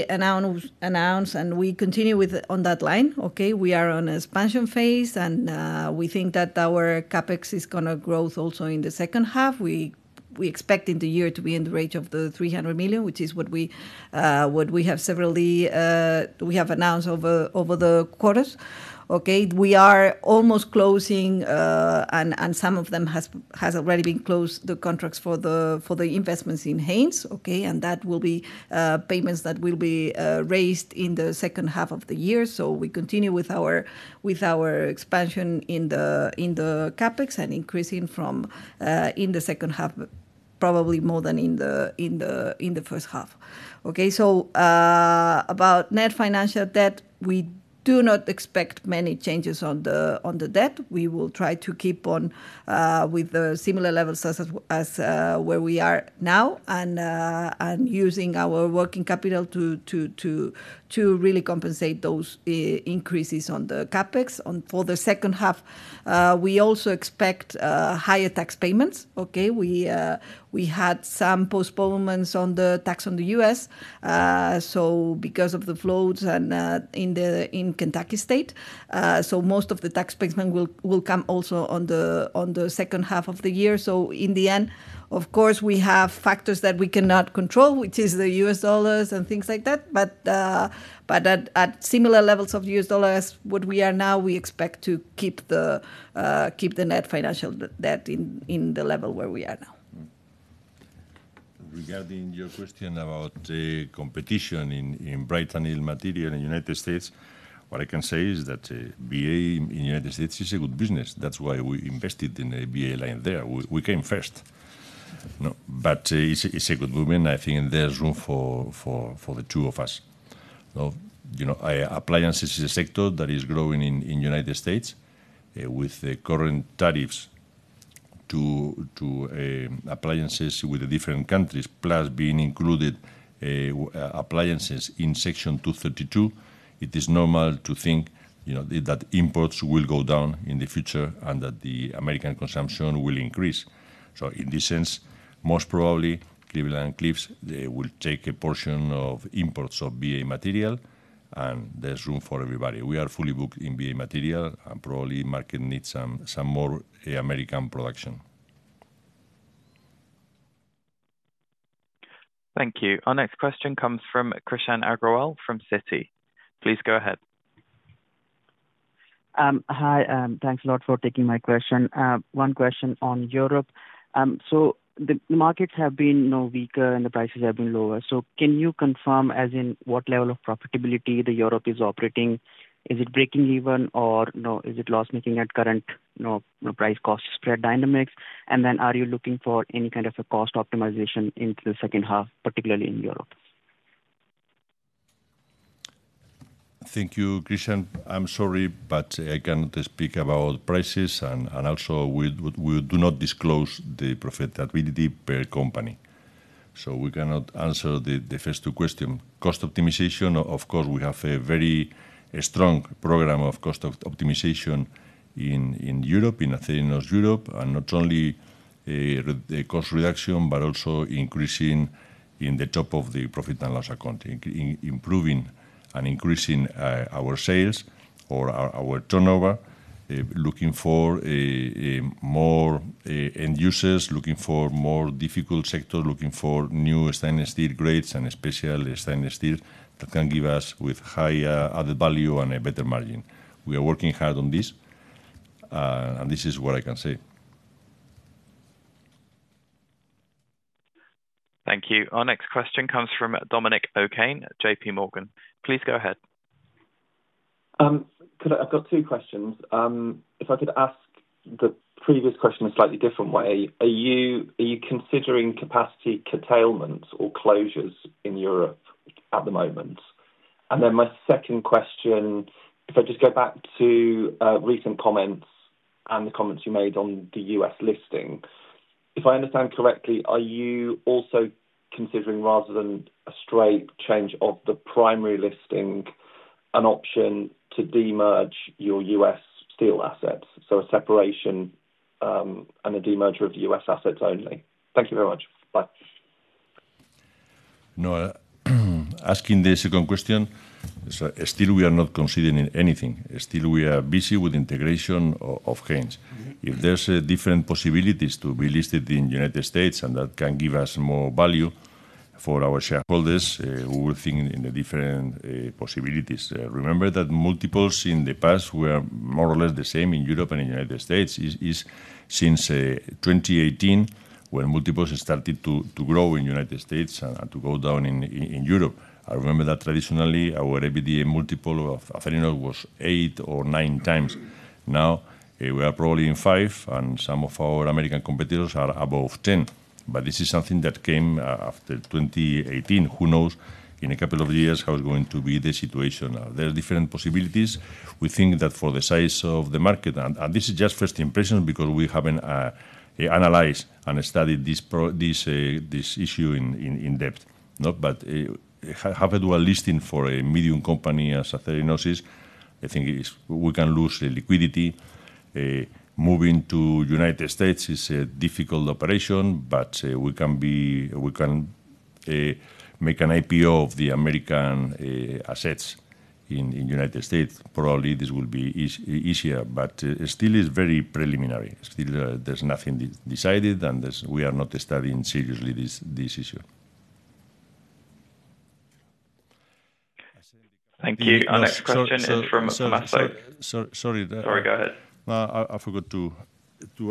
announced and we continue on that line, we are on Expansion Phase and we think that our CapEx is going to grow also in the second half. We expect in the year to be in the range of 300 million, which is what we have announced over the quarters. We are almost closing and some of them have already been closed, the contracts for the investments in Haynes, and that will be payments that will be raised in the second half of the year. We continue with our expansion in the CapEx and increasing from in the second half probably more than in the first half. About net financial debt, we do not expect many changes on the debt. We will try to keep on with similar levels as where we are now and using our Working Capital to really compensate those increases on the CapEx for the second half. We also expect higher tax payments. We had some postponements on the tax on the U.S. because of the floods in Kentucky state, so most of the tax payment will come also on the second half of the year. In the end, of course, we have factors that we cannot control, which is the U.S. dollar and things like that. At similar levels of U.S. Dollar as what we are now, we expect to keep the Net Financial Debt in the level where we are now.
Regarding your question about competition in bright annealed material in the United States, what I can say is that BA in the United States is a good business. That's why we invested in a BA line there. We came first, but it's a good movement. I think there's room for the two of us. Appliances is a sector that is growing in the United States with the current tariffs to appliances with the different countries, plus being included appliances in Section 232. It is normal to think that imports will go down in the future and that the American consumption will increase. In this sense, most probably Cleveland-Cliffs, they will take a portion of imports of BA material, and there's room for everybody. We are fully booked in BA material and probably market needs some more American production.
Thank you. Our next question comes from Krishan Agarwal from Citigroup. Please go ahead.
Hi, thanks a lot for taking my question. One question on Europe. The markets have been weaker and the prices have been lower. Can you confirm as in what level of profitability Europe is operating? Is it breaking even or no? Is it loss-making at current price-cost spread dynamics, and then are you looking for any kind of a Cost Optimization into the second half, particularly in Europe?
Thank you, Krishan. I'm sorry, but I cannot speak about prices, and also we do not disclose the profitability per company, so we cannot answer the first two questions. Cost optimization, of course, we have a very strong program of cost optimization in Europe, in Acerinox Europa, and not only cost reduction but also increasing in the top of the profit and loss accounting, improving and increasing our sales or our turnover, looking for more end users, looking for more difficult sector, looking for new Stainless Steel Grades, and especially stainless steel that can give us with higher added value and a better margin. We are working hard on this, and this is what I can say.
Thank you. Our next question comes from Dominic O'Kane, JPMorgan. Please go ahead.
I've got two questions. If I could ask the previous question a slightly different way, are you considering Capacity Curtailments or Closures in Europe at the moment? My second question, if I just go back to recent comments and the comments you made on the U.S. listing, if I understand correctly, are you also considering, rather than a straight change of the Primary Listing, an option to demerge your U.S. Steel Assets? A separation and a demerger of U.S. assets only. Thank you very much. Bye.
No, asking the second question. Still, we are not considering anything. Still, we are busy with integration of Haynes. If there's different possibilities to be listed in the United States and that can give us more value for our shareholders, we will think in the different possibilities. Remember that multiples in the past were more or less the same in Europe and in the United States is since 2018 when multiples started to grow in United States and to go down in Europe. I remember that traditionally our EBITDA multiple was 8x or 9x. Now we are probably in 5x and some of our American competitors are above 10x. This is something that came after 2018. Who knows in a couple of years how it's going to be. The situation now, there are different possibilities. We think that for the size of the market, and this is just first impression because we haven't analyzed and studied this issue in depth, but have a dual listing for a medium company as Acerinox, I think we can lose liquidity. Moving to United States is a difficult operation. We can make an IPO of the American assets in United States. Probably this will be easier. Still, it is very preliminary. Still, there's nothing decided and we are not studying seriously this issue.
Thank you. Our next question is from. Sorry, sorry. Go ahead.
I forgot to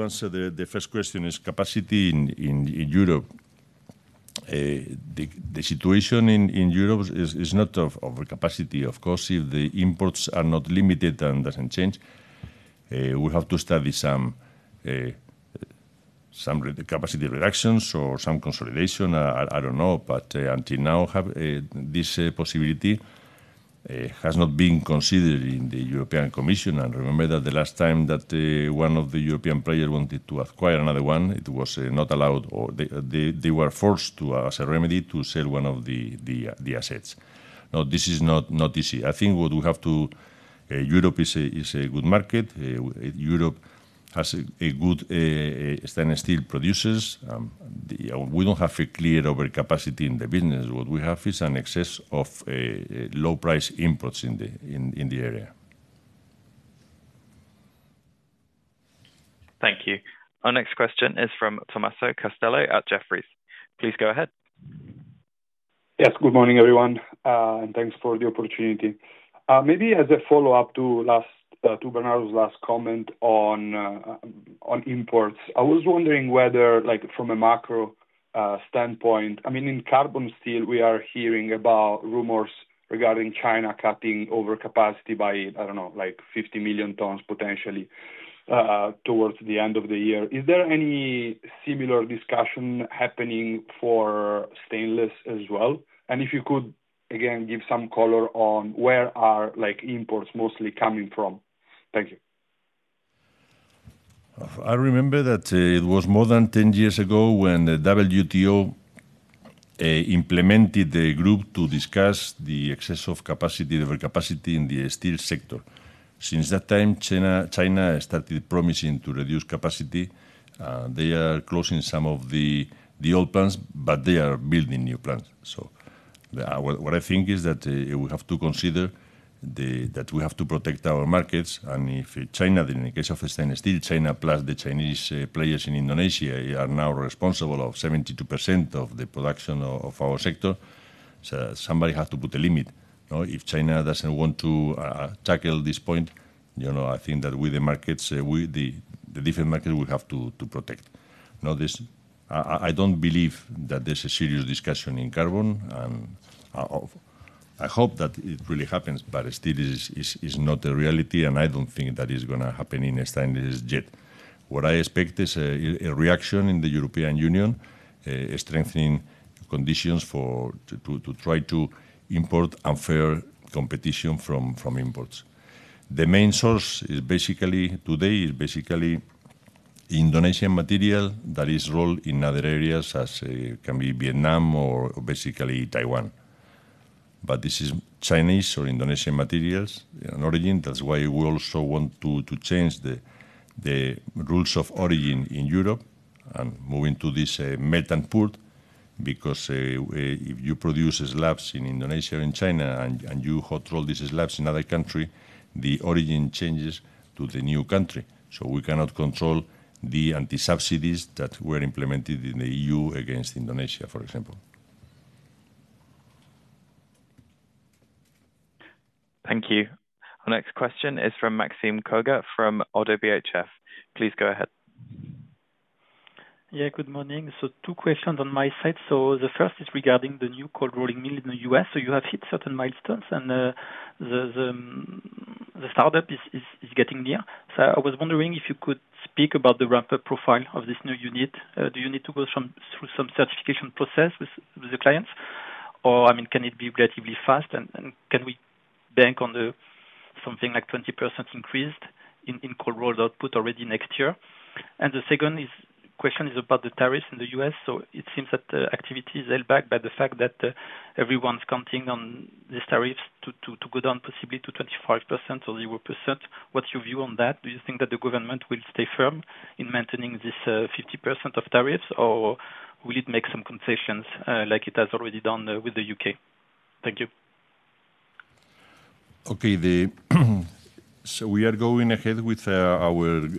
answer. The first question is Capacity in Europe. The situation in Europe is not of overcapacity. Of course, if the imports are not limited and doesn't change, we have to study some Capacity Reductions or some consolidation, I don't know. Until now this possibility has not been considered in the European Commission. Remember that the last time that one of the European players wanted to acquire another one, it was not allowed, or they were forced to, as a remedy, to sell one of the assets. Now this is not easy. I think what we have to Europe is a good market. Europe has good stainless steel producers. We don't have a clear overcapacity in the business. What we have is an excess of low-price imports in the area.
Thank you. Our next question is from Tommaso Castello at Jefferies. Please go ahead.
Yes, good morning everyone and thanks for the opportunity. Maybe as a follow-up to the last two, Bernardo's last comment on imports. I was wondering whether, like from a macro standpoint, I mean in Carbon Steel we are hearing about rumors regarding China Cutting Overcapacity by, I don't know, like 50 million tons potentially towards the end of the year. Is there any similar discussion happening for Stainless as well? If you could again give some color on where are, like, imports mostly coming from. Thank you.
I remember that it was more than 10 years ago when the WTO implemented the group to discuss the excess of capacity, overcapacity in the steel sector. Since that time, China started promising to reduce capacity. They are closing some of the old plants, but they are building new plants. What I think is that we have to consider that we have to protect our markets. If China, in the case of steel, China plus the Chinese players in Indonesia are now responsible for 72% of the production of our sector. Somebody has to put a limit if China doesn't want to tackle this point. I think that with the markets, with the different market, we have to protect now. I don't believe that there's a serious discussion in carbon and I hope that it really happens. Still, this is not a reality and I don't think that is going to happen at this time. What I expect is a reaction in the European Union strengthening conditions to try to import unfair competition from imports. The main source today is basically Indonesian material that is rolled in other areas, as can be Vietnam or basically Taiwan. This is Chinese or Indonesian materials. That's why we also want to change the rules of origin in Europe and move to this melt and pour. If you produce slabs in Indonesia and China and you hot roll these slabs in other countries, the origin changes to the new country. We cannot control the anti-subsidies that were implemented in the EU against Indonesia, for example.
Thank you. Our next question is from Maxime Kogge from ODDO BHF. Please go ahead.
Yeah, good morning. Two questions on my side. The first is regarding the new cold rolling mill in the U.S. You have hit certain milestones and the startup is getting near. I was wondering if you could speak about the ramp-up profile of this new unit. Do you need to go through some certification process with the clients, or can it be relatively fast, and can we bank on something like a 20% increase in cold rolled output already next year? The second question is about the tariffs in the U.S. It seems that the activity is held back by the fact that everyone's counting on these tariffs to go down, possibly to 25% or 0%. What's your view on that? Do you think that the government will stay firm in maintaining this 50% of tariffs, or will it make some concessions like it has already done with the U.K.? Thank you.
Okay, so we are going ahead with our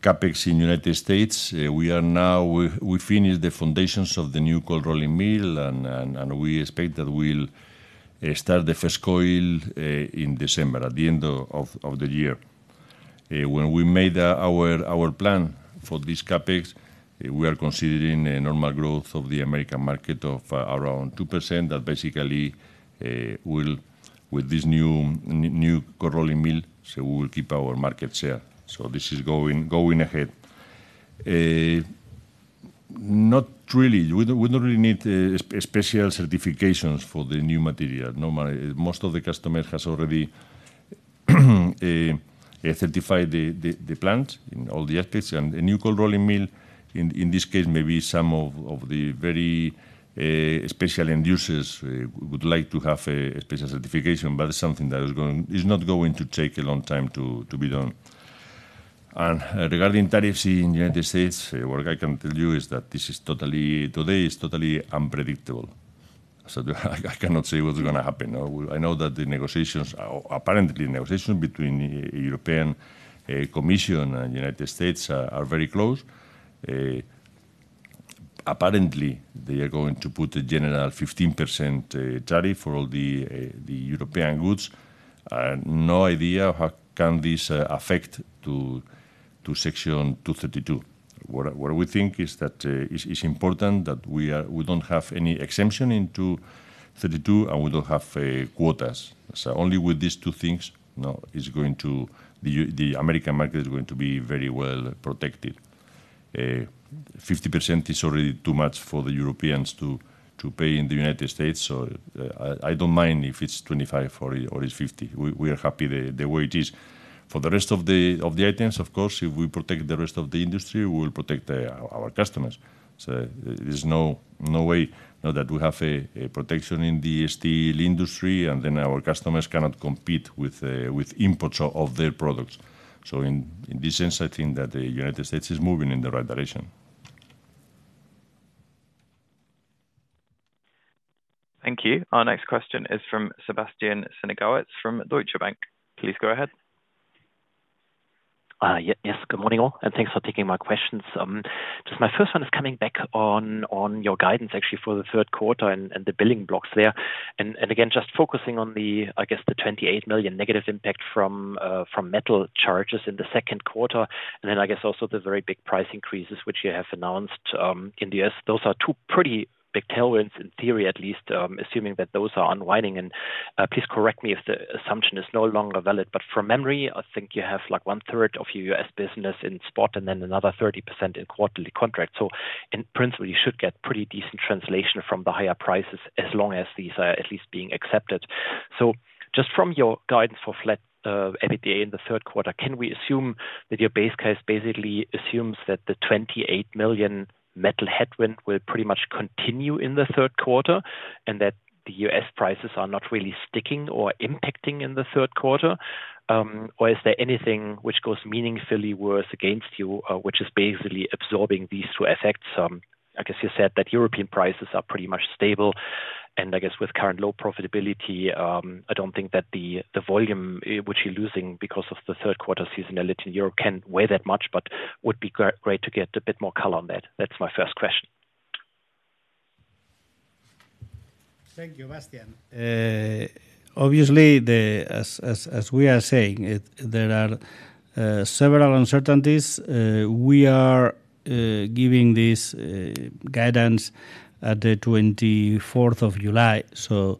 capital expenditure in the United States. We are now, we finished the foundations of the new cold rolling mill and we expect that we'll start the first coil in December. At the end of the year when we made our plan for this capital expenditure, we are considering normal growth of the American market of around 2%. That basically will, with this new cold rolling mill, we will keep our market share. This is going ahead. Not really, we don't really need special certifications for the new material. Most of the customers have already certified the plant and all the assets and the new cold rolling mill. In this case, maybe some of the very special industries would like to have a special certification, but it's something that is not going to take a long time to be done. Regarding tariffs in the United States, what I can tell you is that this is totally, today is totally unpredictable. I cannot say what's going to happen. I know that the negotiations, apparently negotiations between the European Commission and the United States are very close. Apparently, they are going to put a general 15% tariff for all the European goods. No idea how this can affect Section 232. What we think is that it's important that we don't have any exemption in 232 and we don't have quotas. Only with these two things, the American market is going to be very well protected. 15% is already too much for the Europeans to pay in the United States. I don't mind if it's 25, 40, or it's 50. We are happy the way it is for the rest of the items. Of course, if we protect the rest of the industry, we will protect our customers. There is no way that we have protection in the steel industry and then our customers cannot compete with imports of their products. In this sense, I think that the United States is moving in the right direction.
Thank you. Our next question is from Bastian Synagowitz from Deutsche Bank. Please go ahead.
Yes, good morning all and thanks for taking my questions. My first one is coming back on your guidance actually for the third quarter and the building blocks there. Just focusing on the, I guess, the 28 million negative impact from metal charges in the second quarter. I guess also the very big price increases which you have announced in the U.S. Those are two pretty big tailwinds in theory at least, assuming that those are unwinding. Please correct me if the assumption is no longer valid. From memory, I think you have like 1/3 of your U.S. business in spot and then another 30% in quarterly contracts. In principle, you should get pretty decent translation from the higher prices as long as these are at least being accepted. Just from your guidance for flat EBITDA in the third quarter, can we assume that your base case basically assumes that the 28 million metal headwind will pretty much continue in the third quarter and that the U.S. prices are not really sticking or impacting in the third quarter? Is there anything which goes meaningfully worse, which is basically absorbing these two effects? You said that European prices are pretty much stable and I guess with current low profitability, I don't think that the volume which you're losing because of the third quarter seasonality in Europe can weigh that much. Would be great to get a bit more color on that. That's my first question.
Thank you, Bastian. Obviously, as we are saying there are several uncertainties. We are giving this guidance at the 24th of July, so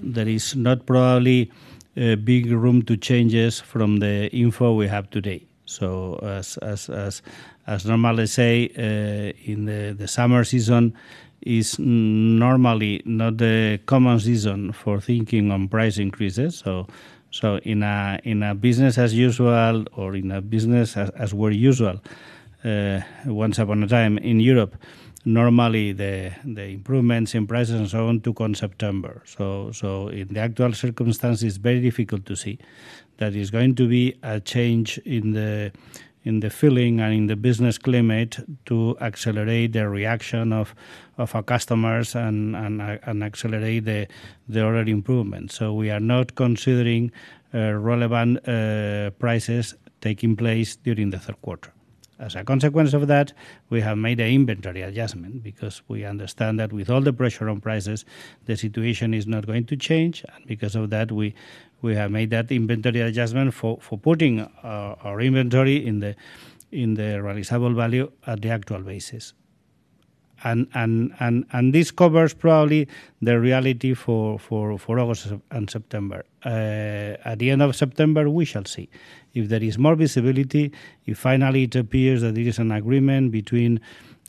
there is not probably big room to changes from the info we have today. As normal, in the summer season it is normally not the common season for thinking on price increases. In a business as usual or in a business as where usual, once upon a time in Europe, normally the improvements in prices and so on took on September. In the actual circumstances it's very difficult to see there is going to be a change in the feeling and in the business climate to accelerate the reaction of our customers and accelerate the order improvements. We are not considering relevant prices taking place during the third quarter. As a consequence of that, we have made an Inventory Adjustment because we understand that with all the pressure on prices the situation is not going to change because of that. We have made that inventory adjustment for putting our inventory in the Realizable Value at the actual basis. This covers probably the reality for August and September. At the end of September we shall see if there is more visibility. If finally it appears that there is an agreement between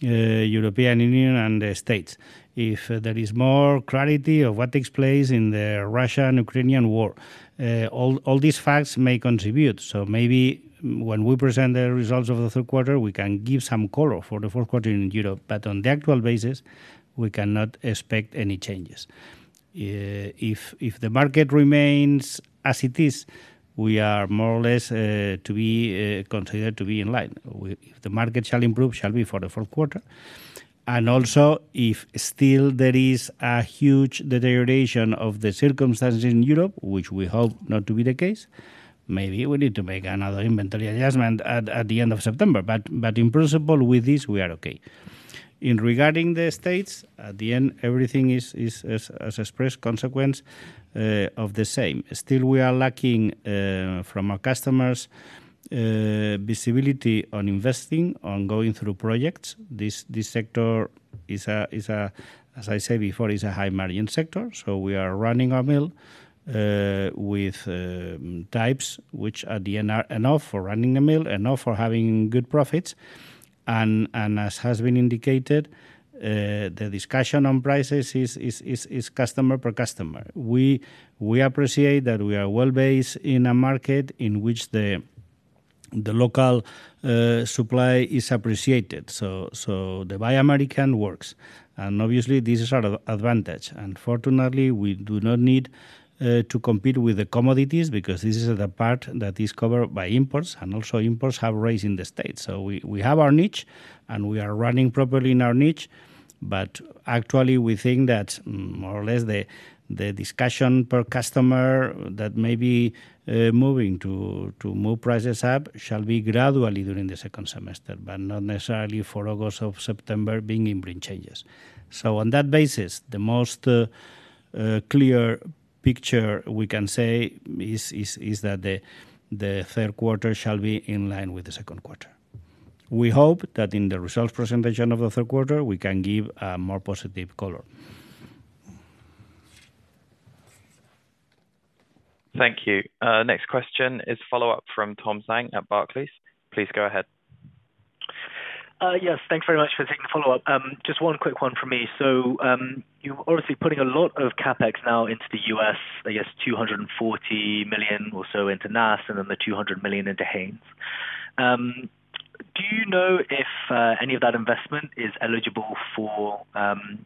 European Union and the States, if there is more clarity of what takes place in the Russian-Ukrainian war, all these facts may contribute. Maybe when we present the results of the third quarter we can give some color for the fourth quarter in Europe. On the actual basis we cannot expect any changes. If the market remains as it is, we are more or less to be considered to be in line. If the market shall improve, shall be for the fourth quarter and also if still there is a huge deterioration of the circumstances in Europe, which we hope not to be the case, maybe we need to make another Inventory Adjustment at the end of September. In principle with this we are okay. Regarding the States, at the end everything is as expressed consequence of the same. Still we are lacking from our customers visibility on investing, on going through projects. This sector is, as I said before, is a high margin sector. We are running our mill with types which at the end are enough for running the mill, enough for having good Profits. As has been indicated, the discussion on prices is customer per customer. We appreciate that we are well based in a market in which the local supply is appreciated. The Buy American Works. Obviously, this is our advantage. Unfortunately, we do not need to compete with the commodities because this is the part that is covered by imports, and also imports have raised in the state. We have our niche, and we are running properly in our niche. Actually, we think that more or less the discussion per customer that may be moving to move prices up shall be gradually during the second semester, but not necessarily for August or September being imprint changes. On that basis, the most clear picture we can say is that the Third Quarter shall be in line with the Second Quarter. We hope that in the Results Presentation of the Third quarter we can give a more positive color.
Thank you. Next question is a follow-up from Tom Zhang at Barclays. Please go ahead.
Yes, thanks very much for taking the follow-up. Just one quick one for me. You're obviously putting a lot of CapEx now into the U.S., I guess 240 million or so into NAS and then the 200 million into Haynes. Do you know if any of that investment is eligible for 100%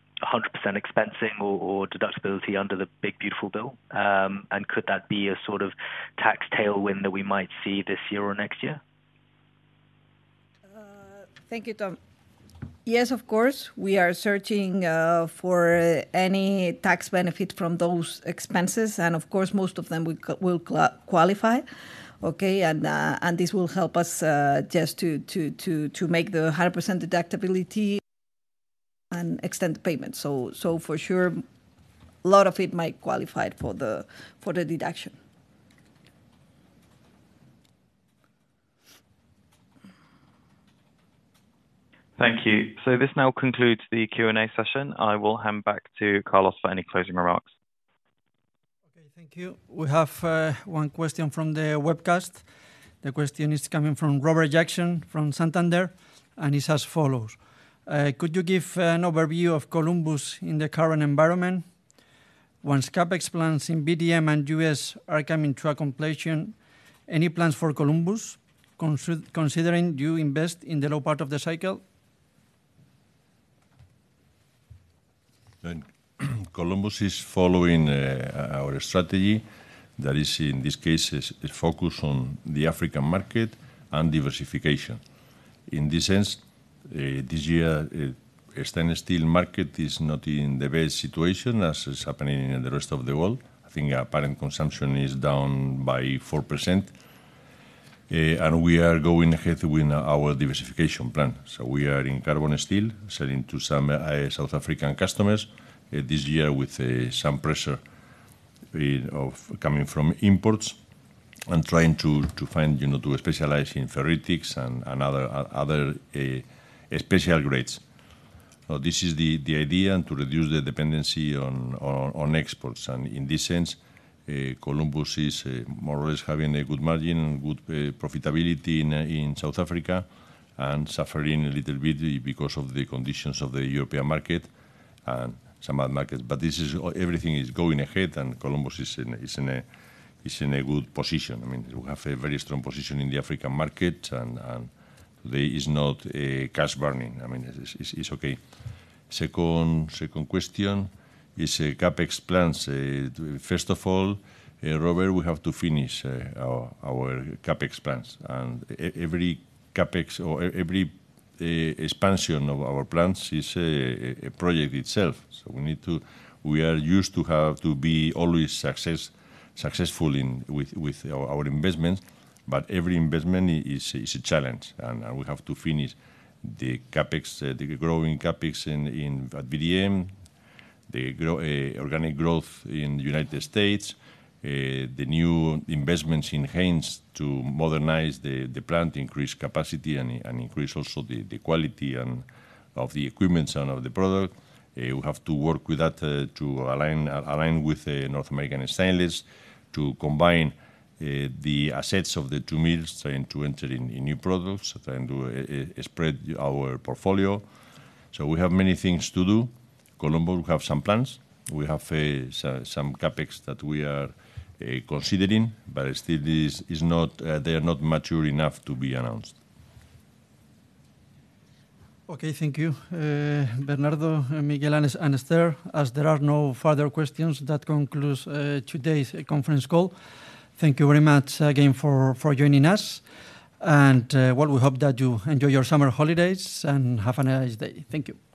expensing or deductibility under the big beautiful bill? Could that be a sort of tax tailwind that we might see this year or next year?
Thank you, Tom. Yes, of course we are searching for any tax benefit from those expenses and of course most of them will qualify. This will help us just to make the 100% deductibility and extend the payment. For sure a lot of it might qualify for the Deduction.
Thank you. This now concludes the Q&A session. I will hand back to Carlos for any closing remarks. Okay, thank you. We have one question from the webcast. The question is coming from Robert Jackson from Santander and it's as follows. Could you give an overview of Columbus in the current environment once CapEx plants in VDM and U.S. are coming to a completion? Any plans for Columbus considering you invest in the low part of the cycle?
Columbus is following our strategy that is in this case focused on the African market and diversification. In this sense, this year the Stainless Steel Market is not in the best situation as is happening in the rest of the world. I think apparent consumption is down by 4% and we are going ahead with our diversification. We are in Carbon Steel selling to some South African customers this year with some pressure coming from imports and trying to find, you know, to specialize in Ferritics and other special grades. This is the idea to reduce the dependency on exports. In this sense, Columbus is more or less having a good margin and good profitability in South Africa and suffering a little bit because of the conditions of the European Market and some other markets. Everything is going ahead and Columbus is in a good position. I mean we have a very strong position in the African market and there is not cash burning. I mean it's okay. Second question is CapEx plans. First of all, Robert, we have to finish our CapEx plans and every CapEx or every expansion of our plants is a project itself. We are used to have to be always successful with our investments. Every investment is a challenge and we have to finish the CapEx. The growing CapEx at VDM, the organic growth in the United States, the new investments in Haynes to modernize the plant, increase capacity and increase also the quality of the equipment of the product. We have to work with that to align with North American Stainless, to combine the assets of the two mills and to enter in new products and do a spread our portfolio. We have many things to do. Columbus has some plans, we have some CapEx that we are considering but still this is not. They are not mature enough to be announced.
Okay, thank you Bernardo, Miguel and Esther. As there are no further questions, that concludes today's conference call. Thank you very much again for joining us. We hope that you enjoy your summer holidays and have a nice day. Thank you.
Thank you.